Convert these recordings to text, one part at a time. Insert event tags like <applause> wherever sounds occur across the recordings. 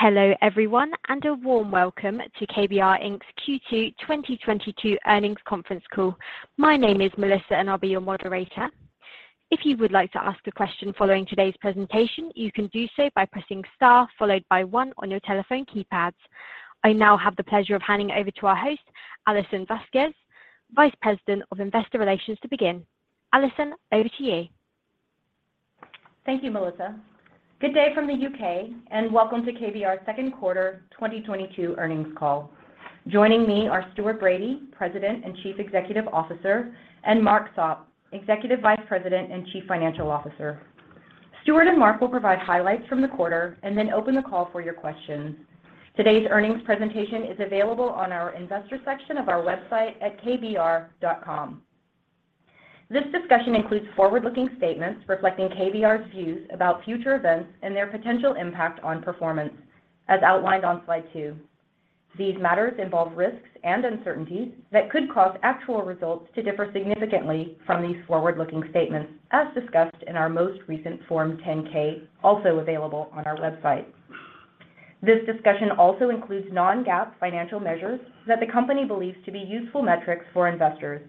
Hello everyone, and a warm welcome to KBR, Inc.'s Q2 2022 Earnings Conference Call. My name is Melissa, and I'll be your moderator. If you would like to ask a question following today's presentation, you can do so by pressing star followed by one on your telephone keypads. I now have the pleasure of handing over to our host, Alison Vasquez, Vice President of Investor Relations to begin. Alison, over to you. Thank you, Melissa. Good day from the UK, and welcome to KBR's second quarter 2022 earnings call. Joining me are Stuart Bradie, President and Chief Executive Officer, and Mark Sopp, Executive Vice President and Chief Financial Officer. Stuart and Mark will provide highlights from the quarter and then open the call for your questions. Today's earnings presentation is available on our investor section of our website at kbr.com. This discussion includes forward-looking statements reflecting KBR's views about future events and their potential impact on performance as outlined on slide two. These matters involve risks and uncertainties that could cause actual results to differ significantly from these forward-looking statements, as discussed in our most recent Form 10-K, also available on our website. This discussion also includes non-GAAP financial measures that the company believes to be useful metrics for investors.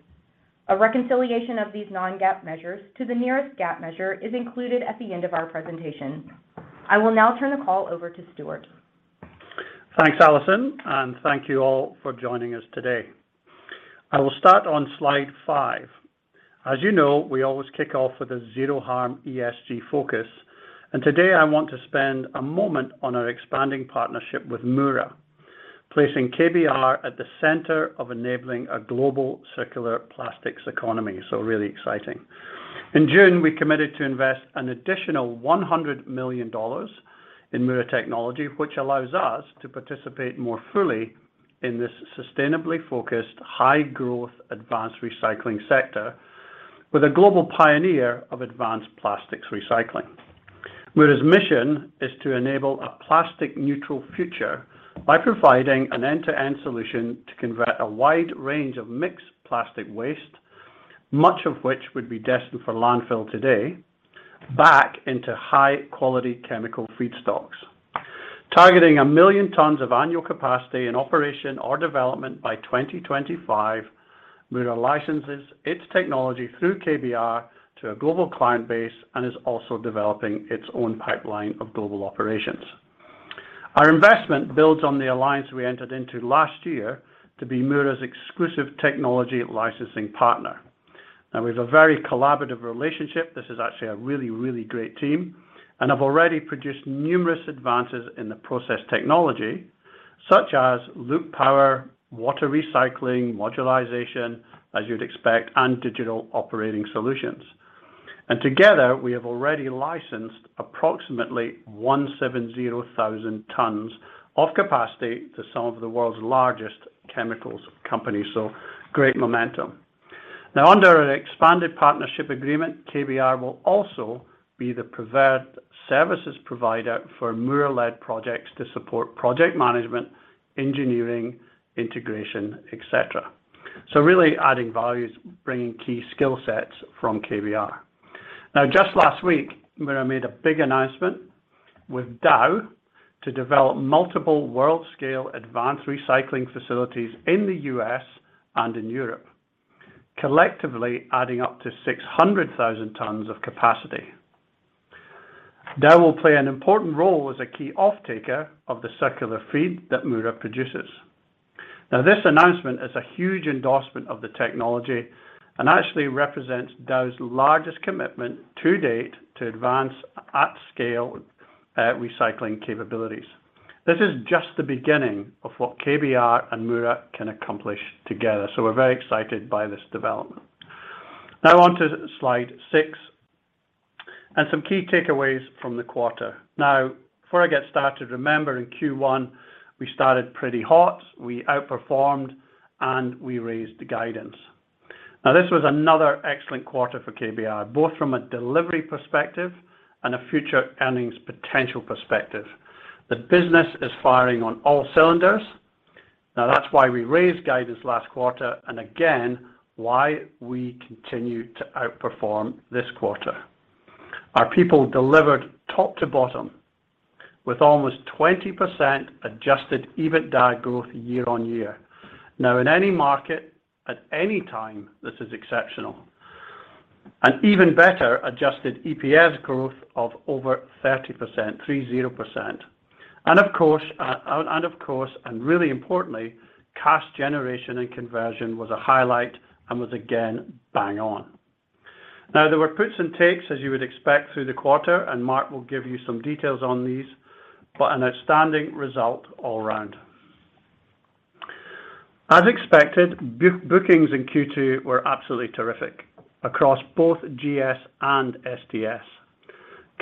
A reconciliation of these non-GAAP measures to the nearest GAAP measure is included at the end of our presentation. I will now turn the call over to Stuart. Thanks, Alison, and thank you all for joining us today. I will start on slide five. As you know, we always kick off with a zero harm ESG focus, and today I want to spend a moment on our expanding partnership with Mura, placing KBR at the center of enabling a global circular plastics economy. Really exciting. In June, we committed to invest an additional $100 million in Mura technology, which allows us to participate more fully in this sustainably focused, high-growth advanced recycling sector with a global pioneer of advanced plastics recycling. Mura's mission is to enable a plastic-neutral future by providing an end-to-end solution to convert a wide range of mixed plastic waste, much of which would be destined for landfill today, back into high-quality chemical feedstocks. Targeting 1 million tonnes of annual capacity in operation or development by 2025, Mura licenses its technology through KBR to a global client base and is also developing its own pipeline of global operations. Our investment builds on the alliance we entered into last year to be Mura's exclusive technology licensing partner. Now we have a very collaborative relationship. This is actually a really, really great team, and have already produced numerous advances in the process technology such as loop power, water recycling, modularization, as you'd expect, and digital operating solutions. Together, we have already licensed approximately 170,000 tonnes of capacity to some of the world's largest chemicals companies. Great momentum. Now, under an expanded partnership agreement, KBR will also be the preferred services provider for Mura-led projects to support project management, engineering, integration, et cetera. Really adding values, bringing key skill sets from KBR. Now, just last week, Mura made a big announcement with Dow to develop multiple world-scale advanced recycling facilities in the U.S. and in Europe, collectively adding up to 600,000 tonnes of capacity. Dow will play an important role as a key offtaker of the circular feed that Mura produces. Now, this announcement is a huge endorsement of the technology and actually represents Dow's largest commitment to date to advance at scale, recycling capabilities. This is just the beginning of what KBR and Mura can accomplish together. We're very excited by this development. Now on to slide six and some key takeaways from the quarter. Now, before I get started, remember in Q1, we started pretty hot. We outperformed and we raised the guidance. Now, this was another excellent quarter for KBR, both from a delivery perspective and a future earnings potential perspective. The business is firing on all cylinders. Now, that's why we raised guidance last quarter and again why we continue to outperform this quarter. Our people delivered top to bottom with almost 20% adjusted EBITDA growth year-over-year. Now, in any market at any time, this is exceptional. Even better, adjusted EPS growth of over 30%, 30%. Of course, really importantly, cash generation and conversion was a highlight and was again bang on. Now, there were puts and takes, as you would expect through the quarter, and Mark will give you some details on these, but an outstanding result all round. As expected, bookings in Q2 were absolutely terrific across both GS and STS,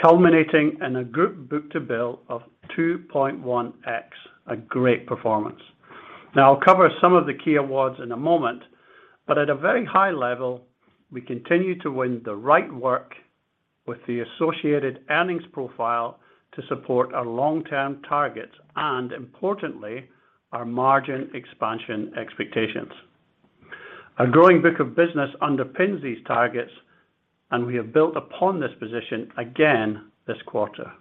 culminating in a good book-to-bill of 2.1x, a great performance. Now, I'll cover some of the key awards in a moment, but at a very high level, we continue to win the right work with the associated earnings profile to support our long-term targets and importantly, our margin expansion expectations. Our growing book of business underpins these targets, and we have built upon this position again this quarter.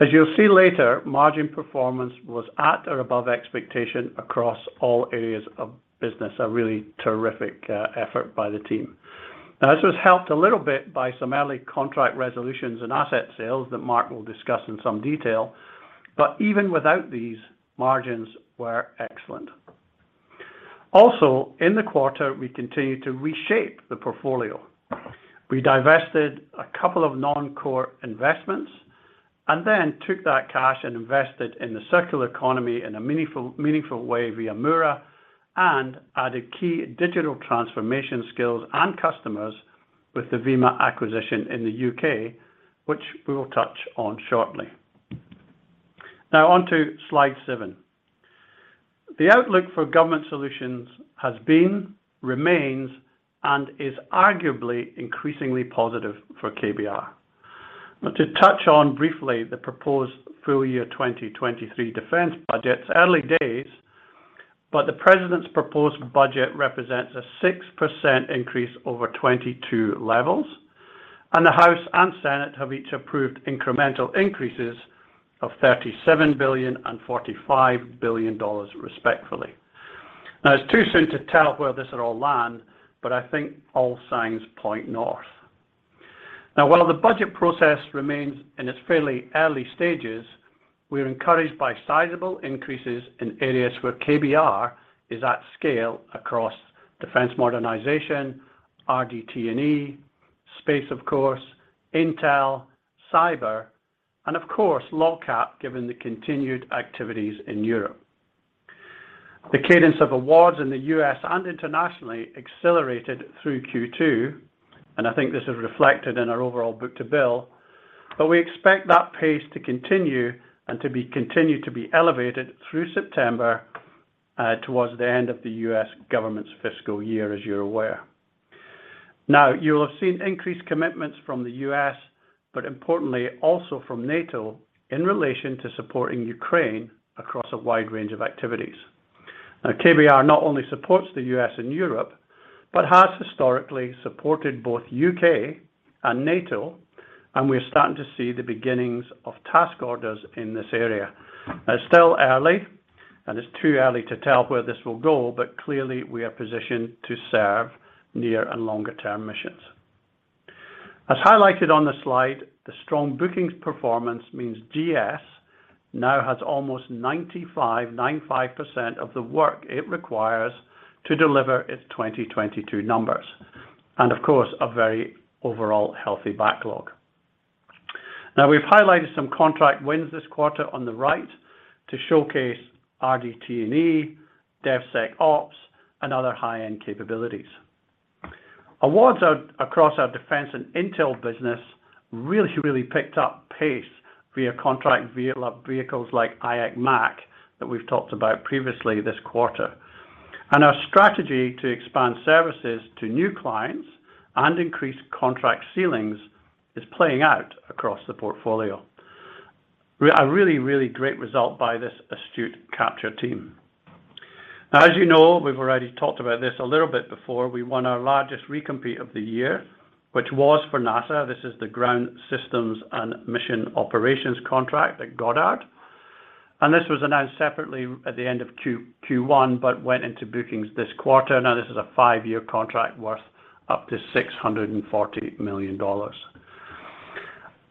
As you'll see later, margin performance was at or above expectation across all areas of business, a really terrific effort by the team. Now, this was helped a little bit by some early contract resolutions and asset sales that Mark will discuss in some detail. Even without these, margins were excellent. Also, in the quarter, we continued to reshape the portfolio. We divested a couple of non-core investments and then took that cash and invested in the circular economy in a meaningful way via Mura and added key digital transformation skills and customers with the VIMA acquisition in the UK, which we will touch on shortly. Now on to slide seven. The outlook for Government Solutions has been, remains, and is arguably increasingly positive for KBR. Now to touch on briefly the proposed full year 2023 defense budgets, early days, but the president's proposed budget represents a 6% increase over 2022 levels, and the House and Senate have each approved incremental increases of $37 billion and $45 billion respectively. Now, it's too soon to tell where this will all land, but I think all signs point north. While the budget process remains in its fairly early stages, we are encouraged by sizable increases in areas where KBR is at scale across defense modernization, RDT&E, space, of course, intel, cyber and of course, LOGCAP, given the continued activities in Europe. The cadence of awards in the U.S. and internationally accelerated through Q2, and I think this is reflected in our overall book-to-bill. We expect that pace to continue and to be continued to be elevated through September, towards the end of the U.S. government's fiscal year, as you're aware. Now, you'll have seen increased commitments from the U.S., but importantly also from NATO in relation to supporting Ukraine across a wide range of activities. KBR not only supports the U.S. and Europe, but has historically supported both U.K. and NATO, and we are starting to see the beginnings of task orders in this area. It's still early, and it's too early to tell where this will go, but clearly we are positioned to serve near- and longer-term missions. As highlighted on the slide, the strong bookings performance means GS now has almost 95% of the work it requires to deliver its 2022 numbers, and of course, a very overall healthy backlog. We've highlighted some contract wins this quarter on the right to showcase RDT&E, DevSecOps, and other high-end capabilities. Awards out across our defense and intel business really picked up pace via contract vehicles like IAC MAC that we've talked about previously this quarter. Our strategy to expand services to new clients and increase contract ceilings is playing out across the portfolio. A really, really great result by this astute capture team. As you know, we've already talked about this a little bit before. We won our largest recompete of the year, which was for NASA. This is the Ground Systems and Mission Operations contract at Goddard, and this was announced separately at the end of Q1, but went into bookings this quarter. This is a five-year contract worth up to $640 million.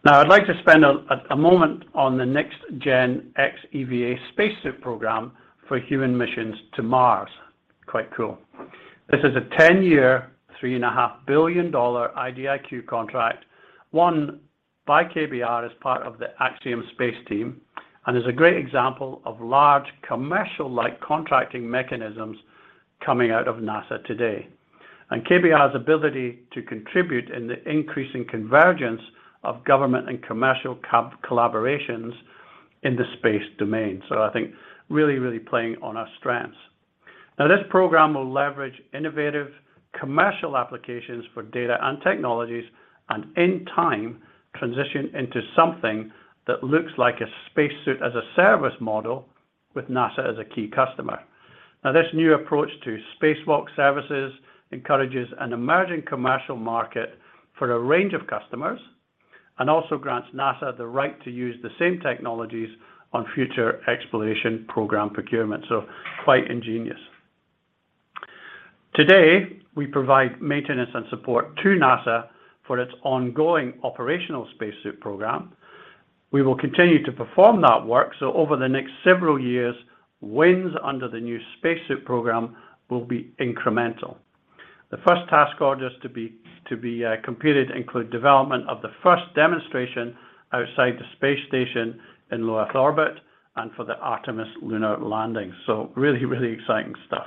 I'd like to spend a moment on the Next Gen xEVA Spacesuit program for human missions to Mars. Quite cool. This is a 10-year, $3.5 billion IDIQ contract won by KBR as part of the Axiom Space team, and is a great example of large commercial-like contracting mechanisms coming out of NASA today and KBR's ability to contribute in the increasing convergence of government and commercial collaborations in the space domain. I think really, really playing on our strengths. Now this program will leverage innovative commercial applications for data and technologies and in time transition into something that looks like a spacesuit-as-a-service model with NASA as a key customer. Now, this new approach to spacewalk services encourages an emerging commercial market for a range of customers, and also grants NASA the right to use the same technologies on future exploration program procurement. Quite ingenious. Today, we provide maintenance and support to NASA for its ongoing operational spacesuit program. We will continue to perform that work, so over the next several years, wins under the new spacesuit program will be incremental. The first task orders to be completed include development of the first demonstration outside the space station in low-Earth orbit and for the Artemis lunar landing. Really exciting stuff.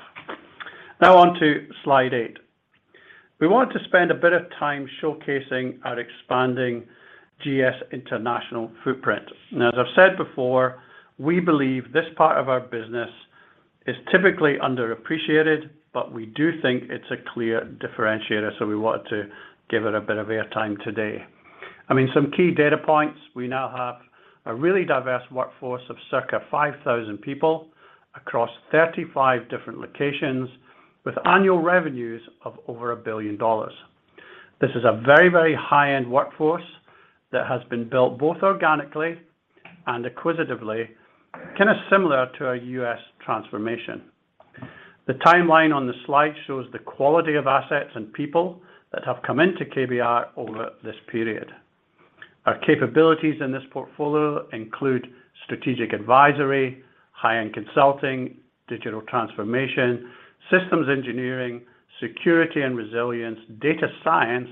Now on to slide eight. We want to spend a bit of time showcasing our expanding GS International footprint. Now, as I've said before, we believe this part of our business is typically underappreciated, but we do think it's a clear differentiator, so we want to give it a bit of air time today. I mean, some key data points. We now have a really diverse workforce of circa 5,000 people across 35 different locations with annual revenues of over $1 billion. This is a very, very high-end workforce that has been built both organically and acquisitively, kind of similar to our U.S. transformation. The timeline on the slide shows the quality of assets and people that have come into KBR over this period. Our capabilities in this portfolio include strategic advisory, high-end consulting, digital transformation, systems engineering, security and resilience, data science,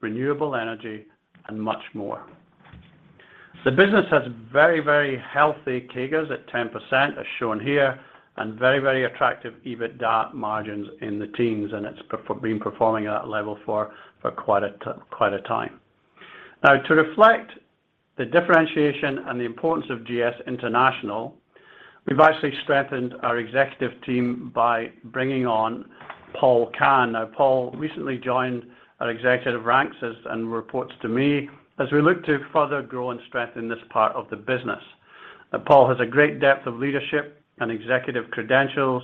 renewable energy, and much more. The business has very, very healthy CAGRs at 10%, as shown here, and very, very attractive EBITDA margins in the teens, and it's been performing at that level for quite a time. Now, to reflect the differentiation and the importance of GS International, we've actually strengthened our executive team by bringing on Paul Kahn. Now, Paul recently joined our executive ranks and reports to me as we look to further grow and strengthen this part of the business. Now, Paul has a great depth of leadership and executive credentials.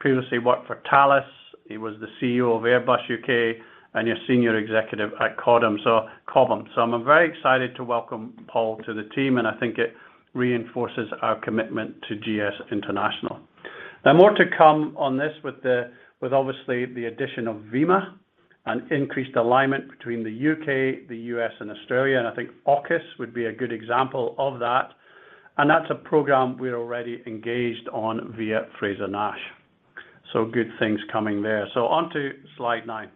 Previously worked for Thales. He was the CEO of Airbus U.K. and a senior executive at Cobham. I'm very excited to welcome Paul to the team, and I think it reinforces our commitment to GS International. Now, more to come on this with obviously the addition of VIMA and increased alignment between the U.K., the U.S., and Australia, and I think AUKUS would be a good example of that. That's a program we're already engaged on via Frazer-Nash. Good things coming there. On to slide nine.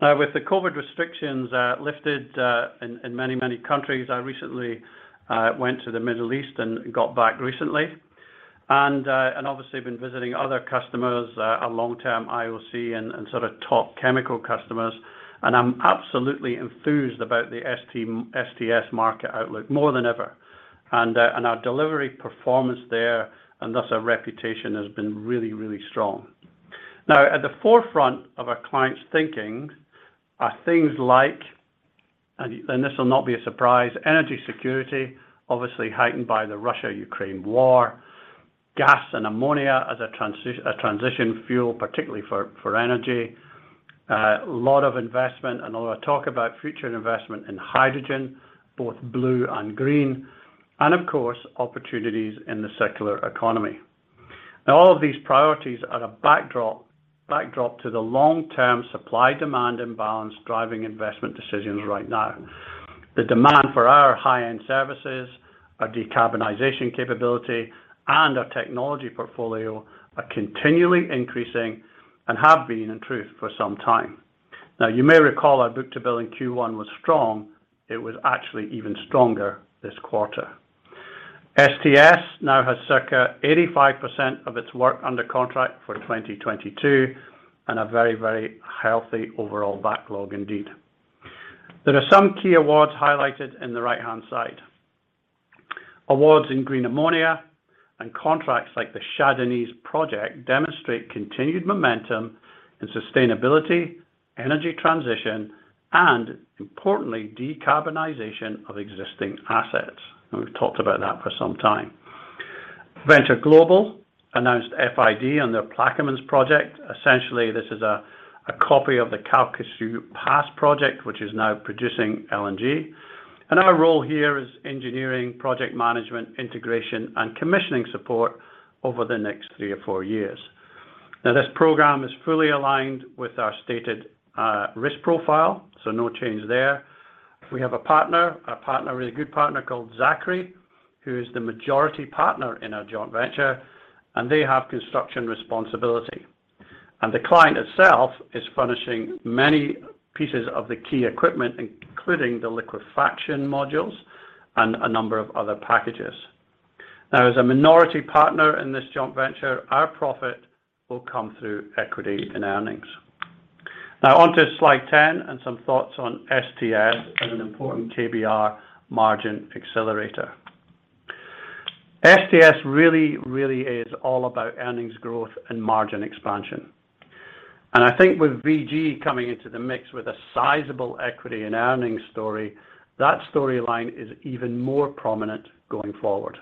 Now, with the COVID restrictions lifted in many countries, I recently went to the Middle East and got back recently. Obviously been visiting other customers, our long-term IOC and sort of top chemical customers, and I'm absolutely enthused about the STS market outlook more than ever. Our delivery performance there, and thus our reputation has been really strong. Now, at the forefront of our clients' thinking are things like, this will not be a surprise, energy security, obviously heightened by the Russia-Ukraine war, gas and ammonia as a transition fuel, particularly for energy. Lot of investment and a lot of talk about future investment in hydrogen, both blue and green, and of course, opportunities in the circular economy. Now, all of these priorities are the backdrop to the long-term supply-demand imbalance driving investment decisions right now. The demand for our high-end services, our decarbonization capability, and our technology portfolio are continually increasing and have been, in truth, for some time. Now, you may recall our book-to-bill in Q1 was strong. It was actually even stronger this quarter. STS now has circa 85% of its work under contract for 2022 and a very, very healthy overall backlog indeed. There are some key awards highlighted in the right-hand side. Awards in green ammonia and contracts like the Shah Deniz project demonstrate continued momentum in sustainability, energy transition, and importantly, decarbonization of existing assets. We've talked about that for some time. Venture Global announced FID on their Plaquemines project. Essentially, this is a copy of the Calcasieu Pass project, which is now producing LNG. Our role here is engineering, project management, integration, and commissioning support over the next three or four years. Now, this program is fully aligned with our stated risk profile, so no change there. We have a partner, really a good partner called Zachry, who is the majority partner in our joint venture, and they have construction responsibility. The client itself is furnishing many pieces of the key equipment, including the liquefaction modules and a number of other packages. Now, as a minority partner in this joint venture, our profit will come through equity and earnings. Now on to slide 10 and some thoughts on STS as an important KBR margin accelerator. STS really is all about earnings growth and margin expansion. I think with VG coming into the mix with a sizable equity and earnings story, that storyline is even more prominent going forward.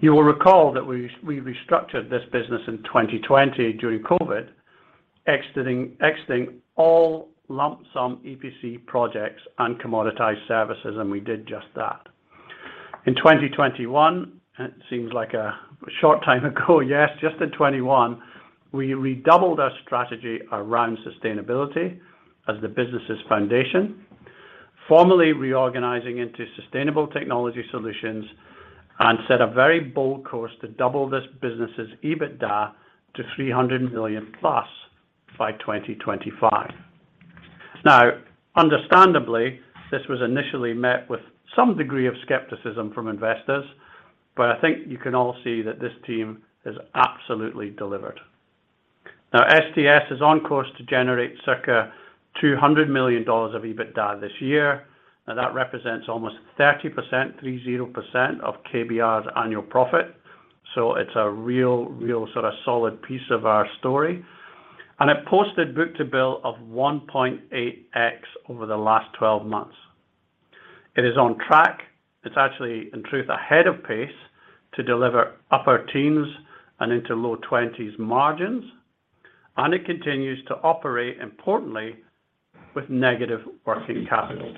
You will recall that we restructured this business in 2020 during COVID, exiting all lump sum EPC projects and commoditized services, and we did just that. In 2021, it seems like a short time ago, yes, just in 2021, we redoubled our strategy around sustainability as the business' foundation, formally reorganizing into Sustainable Technology Solutions and set a very bold course to double this business' EBITDA to $300 million-plus by 2025. Now, understandably, this was initially met with some degree of skepticism from investors, but I think you can all see that this team has absolutely delivered. Now, STS is on course to generate circa $200 million of EBITDA this year. Now, that represents almost 30%, 30% of KBR's annual profit. It's a real sort of solid piece of our story. It posted book-to-bill of 1.8x over the last 12 months. It is on track. It's actually, in truth, ahead of pace to deliver upper teens and into low twenties margins, and it continues to operate importantly with negative working capital.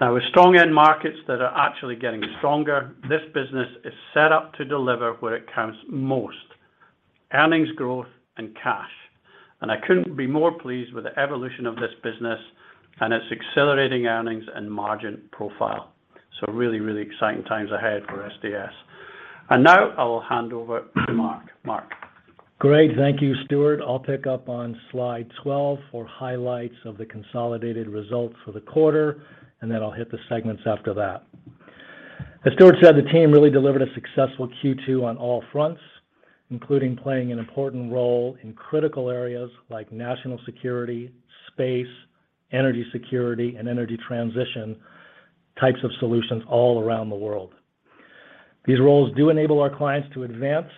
Now, with strong end markets that are actually getting stronger, this business is set up to deliver where it counts most, earnings growth and cash. I couldn't be more pleased with the evolution of this business and its accelerating earnings and margin profile. Really, really exciting times ahead for STS. Now I will hand over to Mark. Mark. Great. Thank you, Stuart. I'll pick up on slide 12 for highlights of the consolidated results for the quarter, and then I'll hit the segments after that. As Stuart said, the team really delivered a successful Q2 on all fronts, including playing an important role in critical areas like national security, space, energy security, and energy transition types of solutions all around the world. These roles do enable our clients to advance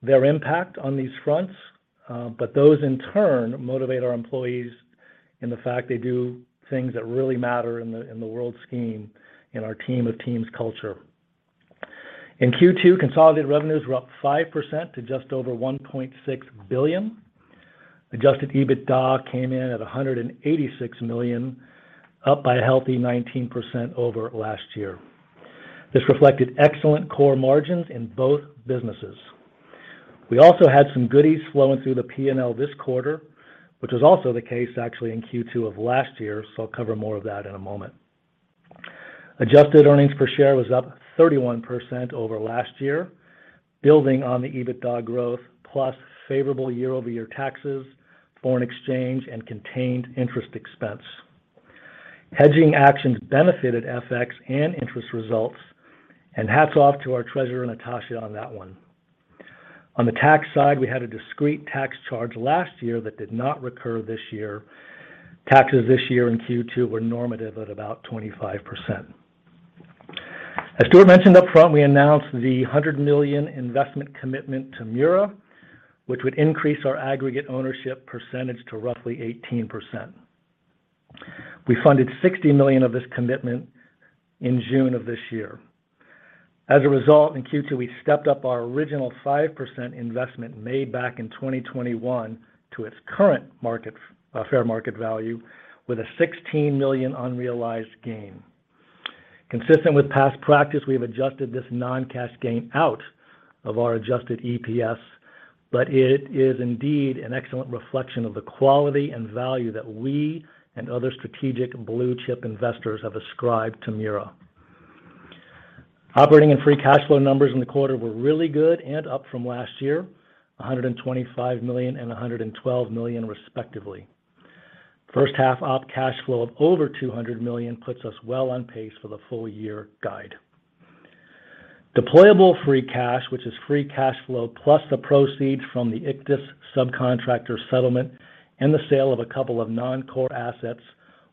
their impact on these fronts, but those in turn motivate our employees in the fact they do things that really matter in the world scheme in our team of teams culture. In Q2, consolidated revenues were up 5% to just over $1.6 billion. Adjusted EBITDA came in at $186 million, up by a healthy 19% over last year. This reflected excellent core margins in both businesses. We also had some goodies flowing through the P&L this quarter, which was also the case actually in Q2 of last year, so I'll cover more of that in a moment. Adjusted earnings per share was up 31% over last year, building on the EBITDA growth plus favorable year-over-year taxes, foreign exchange, and contained interest expense. Hedging actions benefited FX and interest results, and hats off to our treasurer, Natasha, on that one. On the tax side, we had a discrete tax charge last year that did not recur this year. Taxes this year in Q2 were normative at about 25%. As Stuart mentioned upfront, we announced the $100 million investment commitment to Mura, which would increase our aggregate ownership percentage to roughly 18%. We funded $60 million of this commitment in June of this year. As a result, in Q2, we stepped up our original 5% investment made back in 2021 to its current fair market value with a $16 million unrealized gain. Consistent with past practice, we have adjusted this non-cash gain out of our adjusted EPS, but it is indeed an excellent reflection of the quality and value that we and other strategic blue-chip investors have ascribed to Mura. Operating and free cash flow numbers in the quarter were really good and up from last year, $125 million and $112 million respectively. First half op cash flow of over $200 million puts us well on pace for the full year guide. Deployable free cash, which is free cash flow plus the proceeds from the Ichthys subcontractor settlement and the sale of a couple of non-core assets,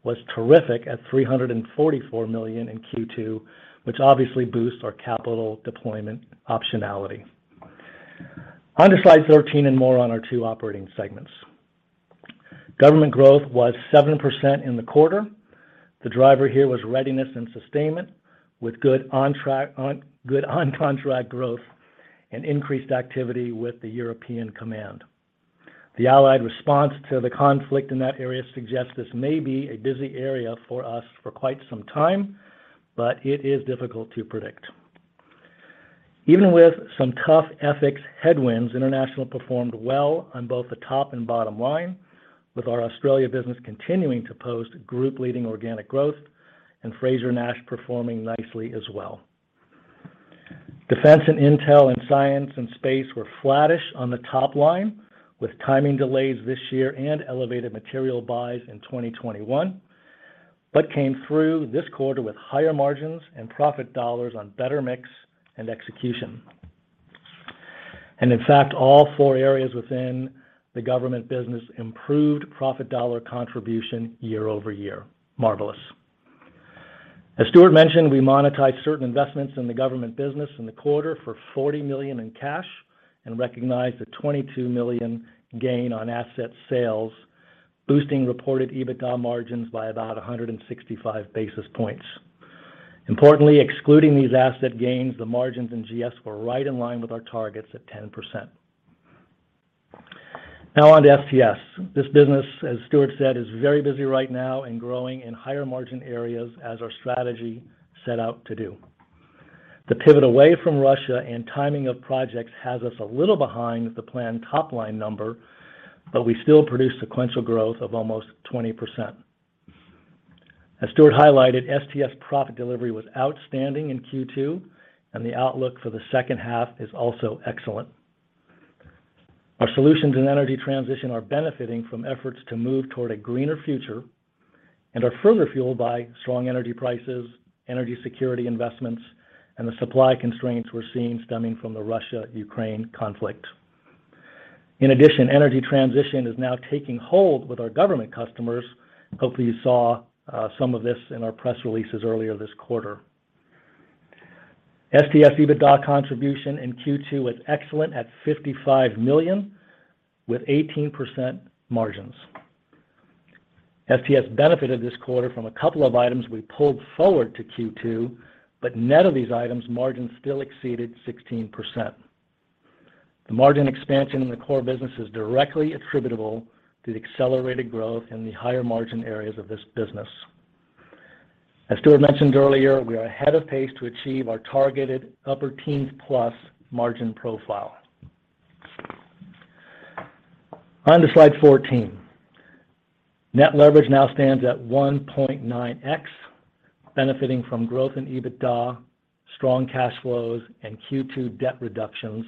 was terrific at $344 million in Q2, which obviously boosts our capital deployment optionality. On to slide 13 and more on our two operating segments. Government growth was 7% in the quarter. The driver here was readiness and sustainment with good on contract growth and increased activity with the European Command. The Allied response to the conflict in that area suggests this may be a busy area for us for quite some time, but it is difficult to predict. Even with some tough ethics headwinds, international performed well on both the top and bottom line with our Australia business continuing to post group leading organic growth and Frazer-Nash performing nicely as well. Defense and Intel and Science and Space were flattish on the top line with timing delays this year and elevated material buys in 2021, but came through this quarter with higher margins and profit dollars on better mix and execution. In fact, all four areas within the government business improved profit dollar contribution year over year. Marvelous. As Stuart mentioned, we monetized certain investments in the government business in the quarter for $40 million in cash and recognized a $22 million gain on asset sales, boosting reported EBITDA margins by about 165 basis points. Importantly, excluding these asset gains, the margins in GS were right in line with our targets at 10%. Now on to STS. This business, as Stuart said, is very busy right now and growing in higher margin areas as our strategy set out to do. The pivot away from Russia and timing of projects has us a little behind the planned top-line number, but we still produce sequential growth of almost 20%. As Stuart highlighted, STS profit delivery was outstanding in Q2, and the outlook for the second half is also excellent. Our solutions in energy transition are benefiting from efforts to move toward a greener future and are further fueled by strong energy prices, energy security investments, and the supply constraints we're seeing stemming from the Russia-Ukraine conflict. In addition, energy transition is now taking hold with our government customers. Hopefully, you saw some of this in our press releases earlier this quarter. STS EBITDA contribution in Q2 was excellent at $55 million with 18% margins. STS benefited this quarter from a couple of items we pulled forward to Q2, but net of these items, margins still exceeded 16%. The margin expansion in the core business is directly attributable to the accelerated growth in the higher margin areas of this business. As Stuart mentioned earlier, we are ahead of pace to achieve our targeted upper teens + margin profile. On to slide 14. Net leverage now stands at 1.9x, benefiting from growth in EBITDA, strong cash flows, and Q2 debt reductions,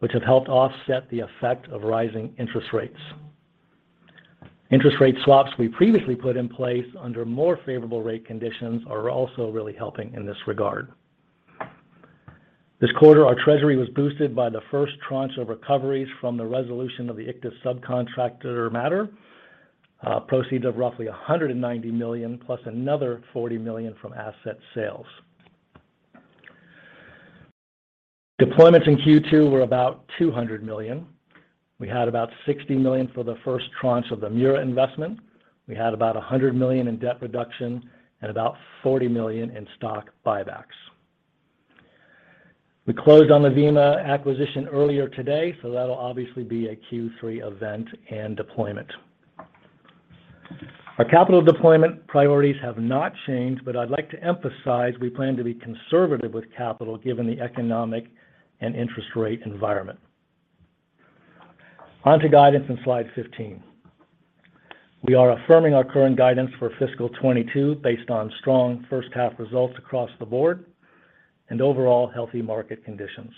which have helped offset the effect of rising interest rates. Interest rate swaps we previously put in place under more favorable rate conditions are also really helping in this regard. This quarter, our treasury was boosted by the first tranche of recoveries from the resolution of the Ichthys subcontractor matter, proceeds of roughly $190 million, plus another $40 million from asset sales. Deployments in Q2 were about $200 million. We had about $60 million for the first tranche of the Mura investment. We had about $100 million in debt reduction and about $40 million in stock buybacks. We closed on the VIMA acquisition earlier today, so that'll obviously be a Q3 event and deployment. Our capital deployment priorities have not changed, but I'd like to emphasize we plan to be conservative with capital given the economic and interest rate environment. On to guidance in slide 15. We are affirming our current guidance for fiscal 2022 based on strong first half results across the board and overall healthy market conditions.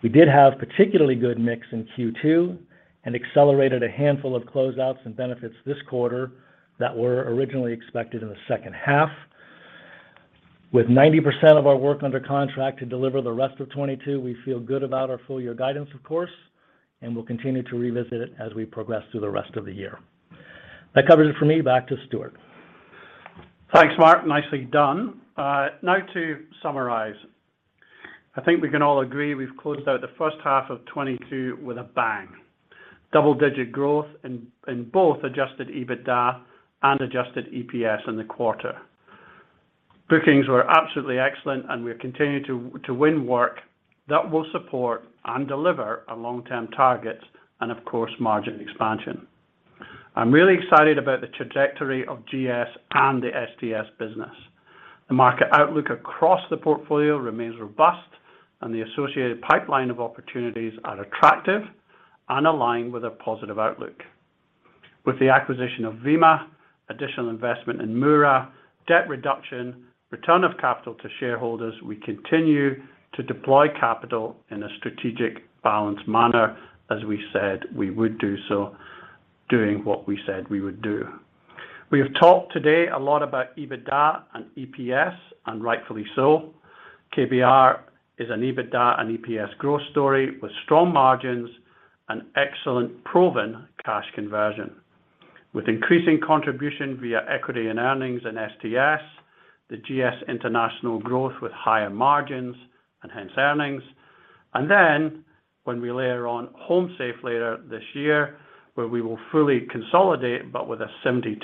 We did have particularly good mix in Q2 and accelerated a handful of closeouts and benefits this quarter that were originally expected in the second half. With 90% of our work under contract to deliver the rest of 2022, we feel good about our full year guidance, of course, and we'll continue to revisit it as we progress through the rest of the year. That covers it for me. Back to Stuart. Thanks, Mark. Nicely done. Now to summarize. I think we can all agree we've closed out the first half of 2022 with a bang. Double-digit growth in both adjusted EBITDA and adjusted EPS in the quarter. Bookings were absolutely excellent, and we're continuing to win work that will support and deliver our long-term targets and of course, margin expansion. I'm really excited about the trajectory of GS and the STS business. The market outlook across the portfolio remains robust and the associated pipeline of opportunities are attractive and aligned with a positive outlook. With the acquisition of VIMA, additional investment in Mura, debt reduction, return of capital to shareholders, we continue to deploy capital in a strategic balanced manner, as we said we would do so, doing what we said we would do. We have talked today a lot about EBITDA and EPS, and rightfully so. KBR is an EBITDA and EPS growth story with strong margins and excellent proven cash conversion. With increasing contribution via equity and earnings in STS, the GS International growth with higher margins and hence earnings. When we layer on HomeSafe later this year, where we will fully consolidate, but with a 72%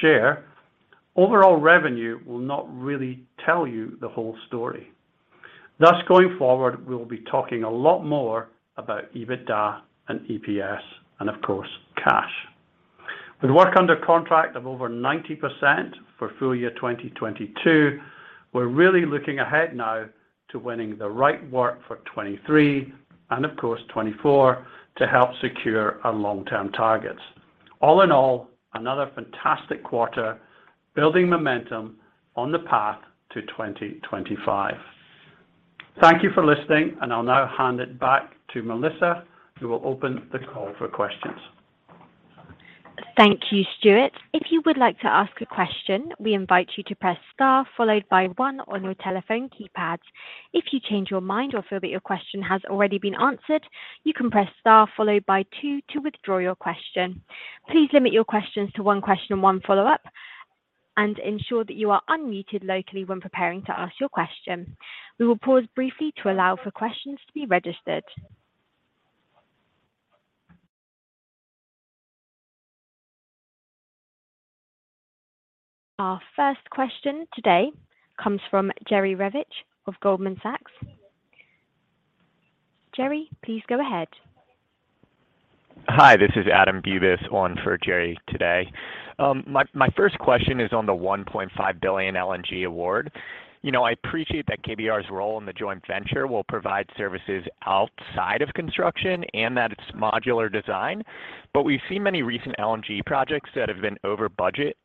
share, overall revenue will not really tell you the whole story. Thus, going forward, we'll be talking a lot more about EBITDA and EPS and of course, cash. With work under contract of over 90% for full year 2022, we're really looking ahead now to winning the right work for 2023 and of course, 2024 to help secure our long-term targets. All in all, another fantastic quarter building momentum on the path to 2025. Thank you for listening, and I'll now hand it back to Melissa, who will open the call for questions. Thank you, Stuart. If you would like to ask a question, we invite you to press star followed by one on your telephone keypads. If you change your mind or feel that your question has already been answered, you can press star followed by two to withdraw your question. Please limit your questions to one question and one follow-up, and ensure that you are unmuted locally when preparing to ask your question. We will pause briefly to allow for questions to be registered. Our first question today comes from Jerry Revich of Goldman Sachs. Jerry, please go ahead. Hi, this is Adam Bubes on for Jerry today. My first question is on the $1.5 billion LNG award. You know, I appreciate that KBR's role in the joint venture will provide services outside of construction and that it's modular design. We've seen many recent LNG projects that have been over budget.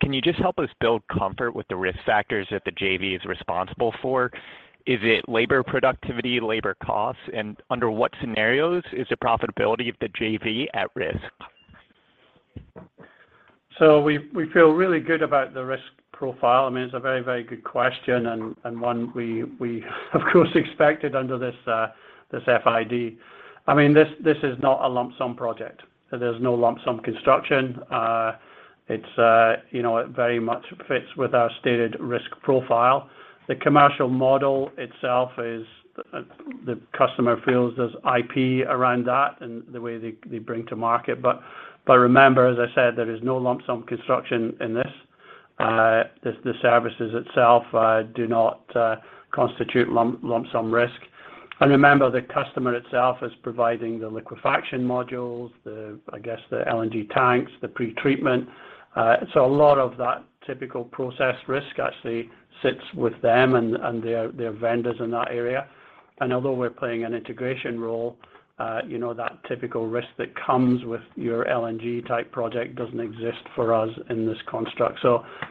Can you just help us build comfort with the risk factors that the JV is responsible for? Is it labor productivity, labor costs, and under what scenarios is the profitability of the JV at risk? We feel really good about the risk profile. I mean, it's a very good question and one we of course expected under this FID. I mean, this is not a lump sum project. There's no lump sum construction. It's you know, it very much fits with our stated risk profile. The commercial model itself is the customer feels there's IP around that and the way they bring to market. Remember, as I said, there is no lump sum construction in this. This, the services itself do not constitute lump sum risk. And remember, the customer itself is providing the liquefaction modules, the I guess the LNG tanks, the pretreatment. A lot of that typical process risk actually sits with them and their vendors in that area. Although we're playing an integration role, you know, that typical risk that comes with your LNG type project doesn't exist for us in this construct.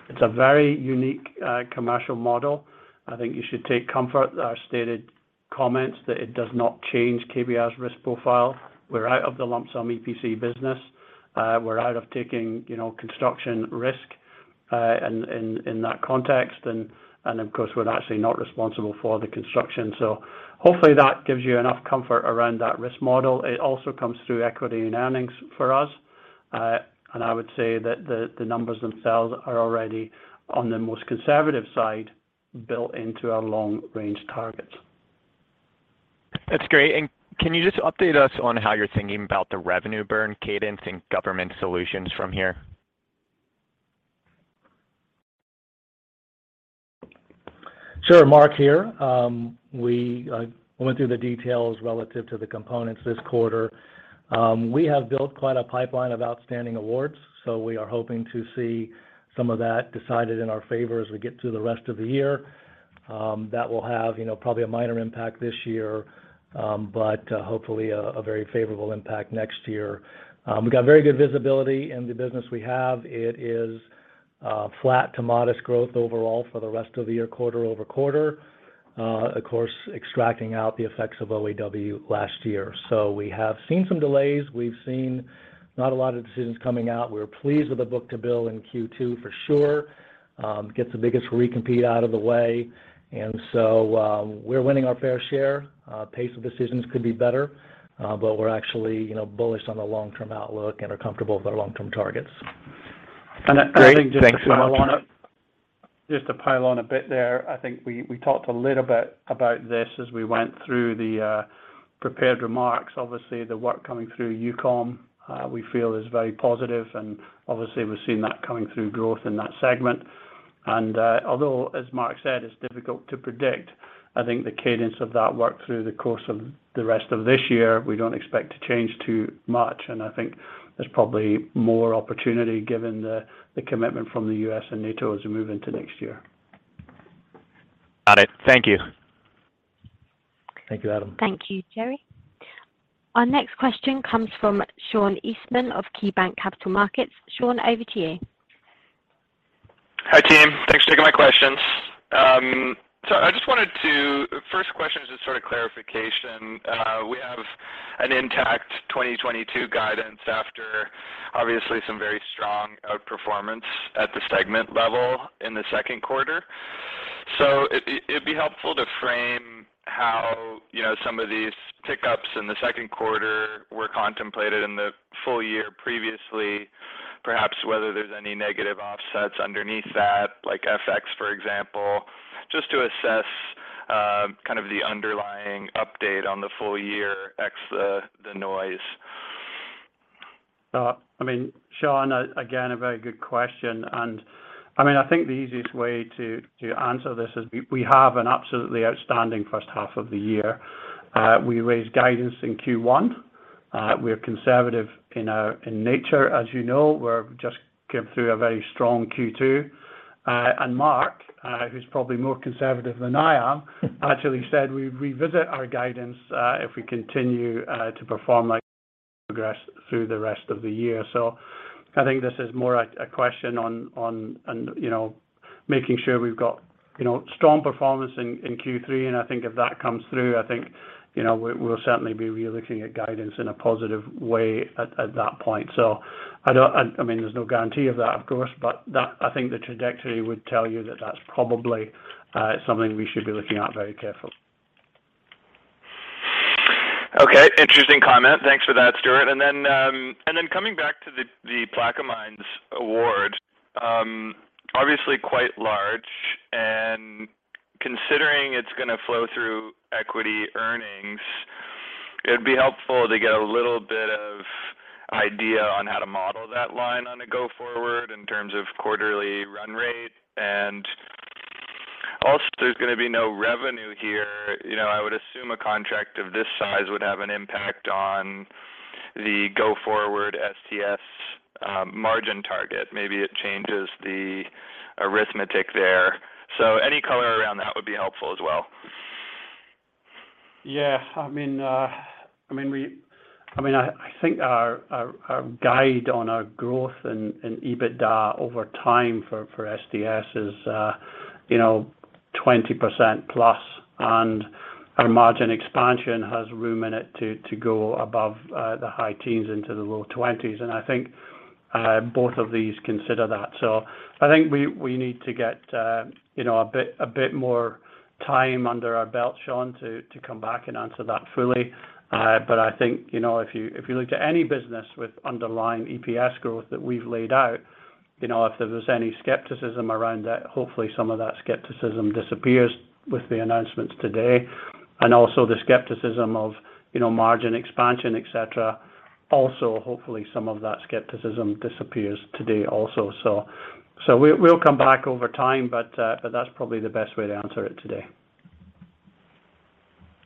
It's a very unique commercial model. I think you should take comfort with our stated comments that it does not change KBR's risk profile. We're out of the lump sum EPC business. We're out of taking, you know, construction risk in that context. Of course, we're actually not responsible for the construction. Hopefully that gives you enough comfort around that risk model. It also comes through equity and earnings for us. I would say that the numbers themselves are already on the most conservative side built into our long range targets. That's great. Can you just update us on how you're thinking about the revenue burn cadence in Government Solutions from here? Sure. Mark here. We went through the details relative to the components this quarter. We have built quite a pipeline of outstanding awards, so we are hoping to see some of that decided in our favor as we get through the rest of the year. That will have, you know, probably a minor impact this year, but hopefully a very favorable impact next year. We've got very good visibility in the business we have. It is flat to modest growth overall for the rest of the year, quarter-over-quarter. Of course, extracting out the effects of OAW last year. We have seen some delays. We've seen not a lot of decisions coming out. We're pleased with the book-to-bill in Q2 for sure. Get the biggest recompete out of the way. We're winning our fair share. Pace of decisions could be better, but we're actually, you know, bullish on the long-term outlook and are comfortable with our long-term targets. And I think just to- Great. Thanks, Mark.... Just to pile on a bit there. I think we talked a little bit about this as we went through the prepared remarks. Obviously, the work coming through EUCOM, we feel is very positive, and obviously we're seeing that coming through growth in that segment. Although, as Mark said, it's difficult to predict, I think the cadence of that work through the course of the rest of this year, we don't expect to change too much. I think there's probably more opportunity given the commitment from the U.S. and NATO as we move into next year. Got it. Thank you. Thank you, Adam. Thank you, Jerry. Our next question comes from Sean Eastman of KeyBanc Capital Markets. Sean, over to you. Hi, team. Thanks for taking my questions. First question is just sort of clarification. We have an intact 2022 guidance after obviously some very strong outperformance at the segment level in the second quarter. It'd be helpful to frame how, you know, some of these pickups in the second quarter were contemplated in the full year previously. Perhaps whether there's any negative offsets underneath that, like FX, for example, just to assess kind of the underlying update on the full year ex the noise. I mean, Sean, again, a very good question. I mean, I think the easiest way to answer this is we have an absolutely outstanding first half of the year. We raised guidance in Q1. We're conservative in nature, as you know. We just came through a very strong Q2. Mark, who's probably more conservative than I am, actually said we'd revisit our guidance if we continue to perform as we progress through the rest of the year. I think this is more a question on, you know, making sure we've got, you know, strong performance in Q3. I think if that comes through, you know, we'll certainly be relooking at guidance in a positive way at that point. I mean, there's no guarantee of that, of course, but that, I think the trajectory would tell you that that's probably something we should be looking at very carefully. Okay. Interesting comment. Thanks for that, Stuart. Coming back to the Plaquemines award, obviously quite large, and considering it's gonna flow through equity earnings, it'd be helpful to get a little bit of idea on how to model that line on a go forward in terms of quarterly run rate. Also, there's gonna be no revenue here. You know, I would assume a contract of this size would have an impact on the go-forward STS margin target. Maybe it changes the arithmetic there. Any color around that would be helpful as well. I think our guide on our growth and EBITDA over time for STS is, you know, 20%+ and our margin expansion has room in it to go above the high teens into the low 20s. I think both of these consider that. I think we need to get a bit more time under our belt, Sean, to come back and answer that fully. I think, you know, if you look to any business with underlying EPS growth that we've laid out, you know, if there was any skepticism around that, hopefully, some of that skepticism disappears with the announcements today. Also the skepticism of, you know, margin expansion, et cetera. Also, hopefully, some of that skepticism disappears today also. We'll come back over time, but that's probably the best way to answer it today.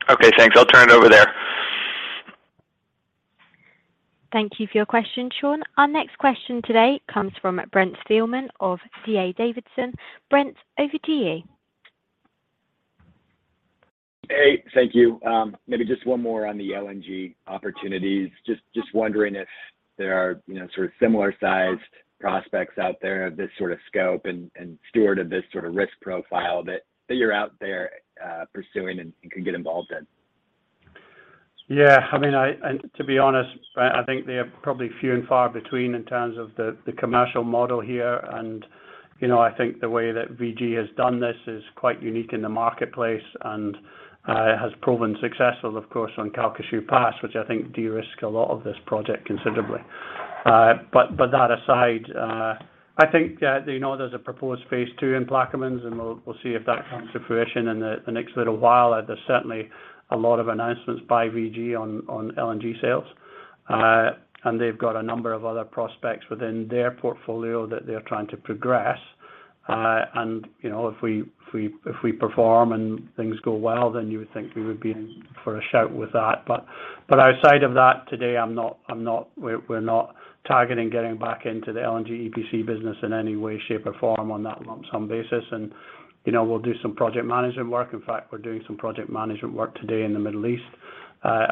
Okay, thanks. I'll turn it over there. Thank you for your question, Sean. Our next question today comes from Brent Thielman of D.A. Davidson. Brent, over to you. Hey, thank you. Maybe just one more on the LNG opportunities. Just wondering if there are, you know, sort of similar-sized prospects out there of this sort of scope and Stuart of this sort of risk profile that you're out there pursuing and can get involved in. Yeah. I mean, to be honest, I think they are probably few and far between in terms of the commercial model here. You know, I think the way that VG has done this is quite unique in the marketplace and has proven successful, of course, on Calcasieu Pass, which I think de-risked a lot of this project considerably. That aside, I think that, you know, there's a proposed phase two in Plaquemines, and we'll see if that comes to fruition in the next little while. There's certainly a lot of announcements by VG on LNG sales. They've got a number of other prospects within their portfolio that they're trying to progress. You know, if we perform and things go well, then you would think we would be in for a shot with that. But outside of that today, we're not targeting getting back into the LNG EPC business in any way, shape, or form on that lump sum basis. You know, we'll do some project management work. In fact, we're doing some project management work today in the Middle East,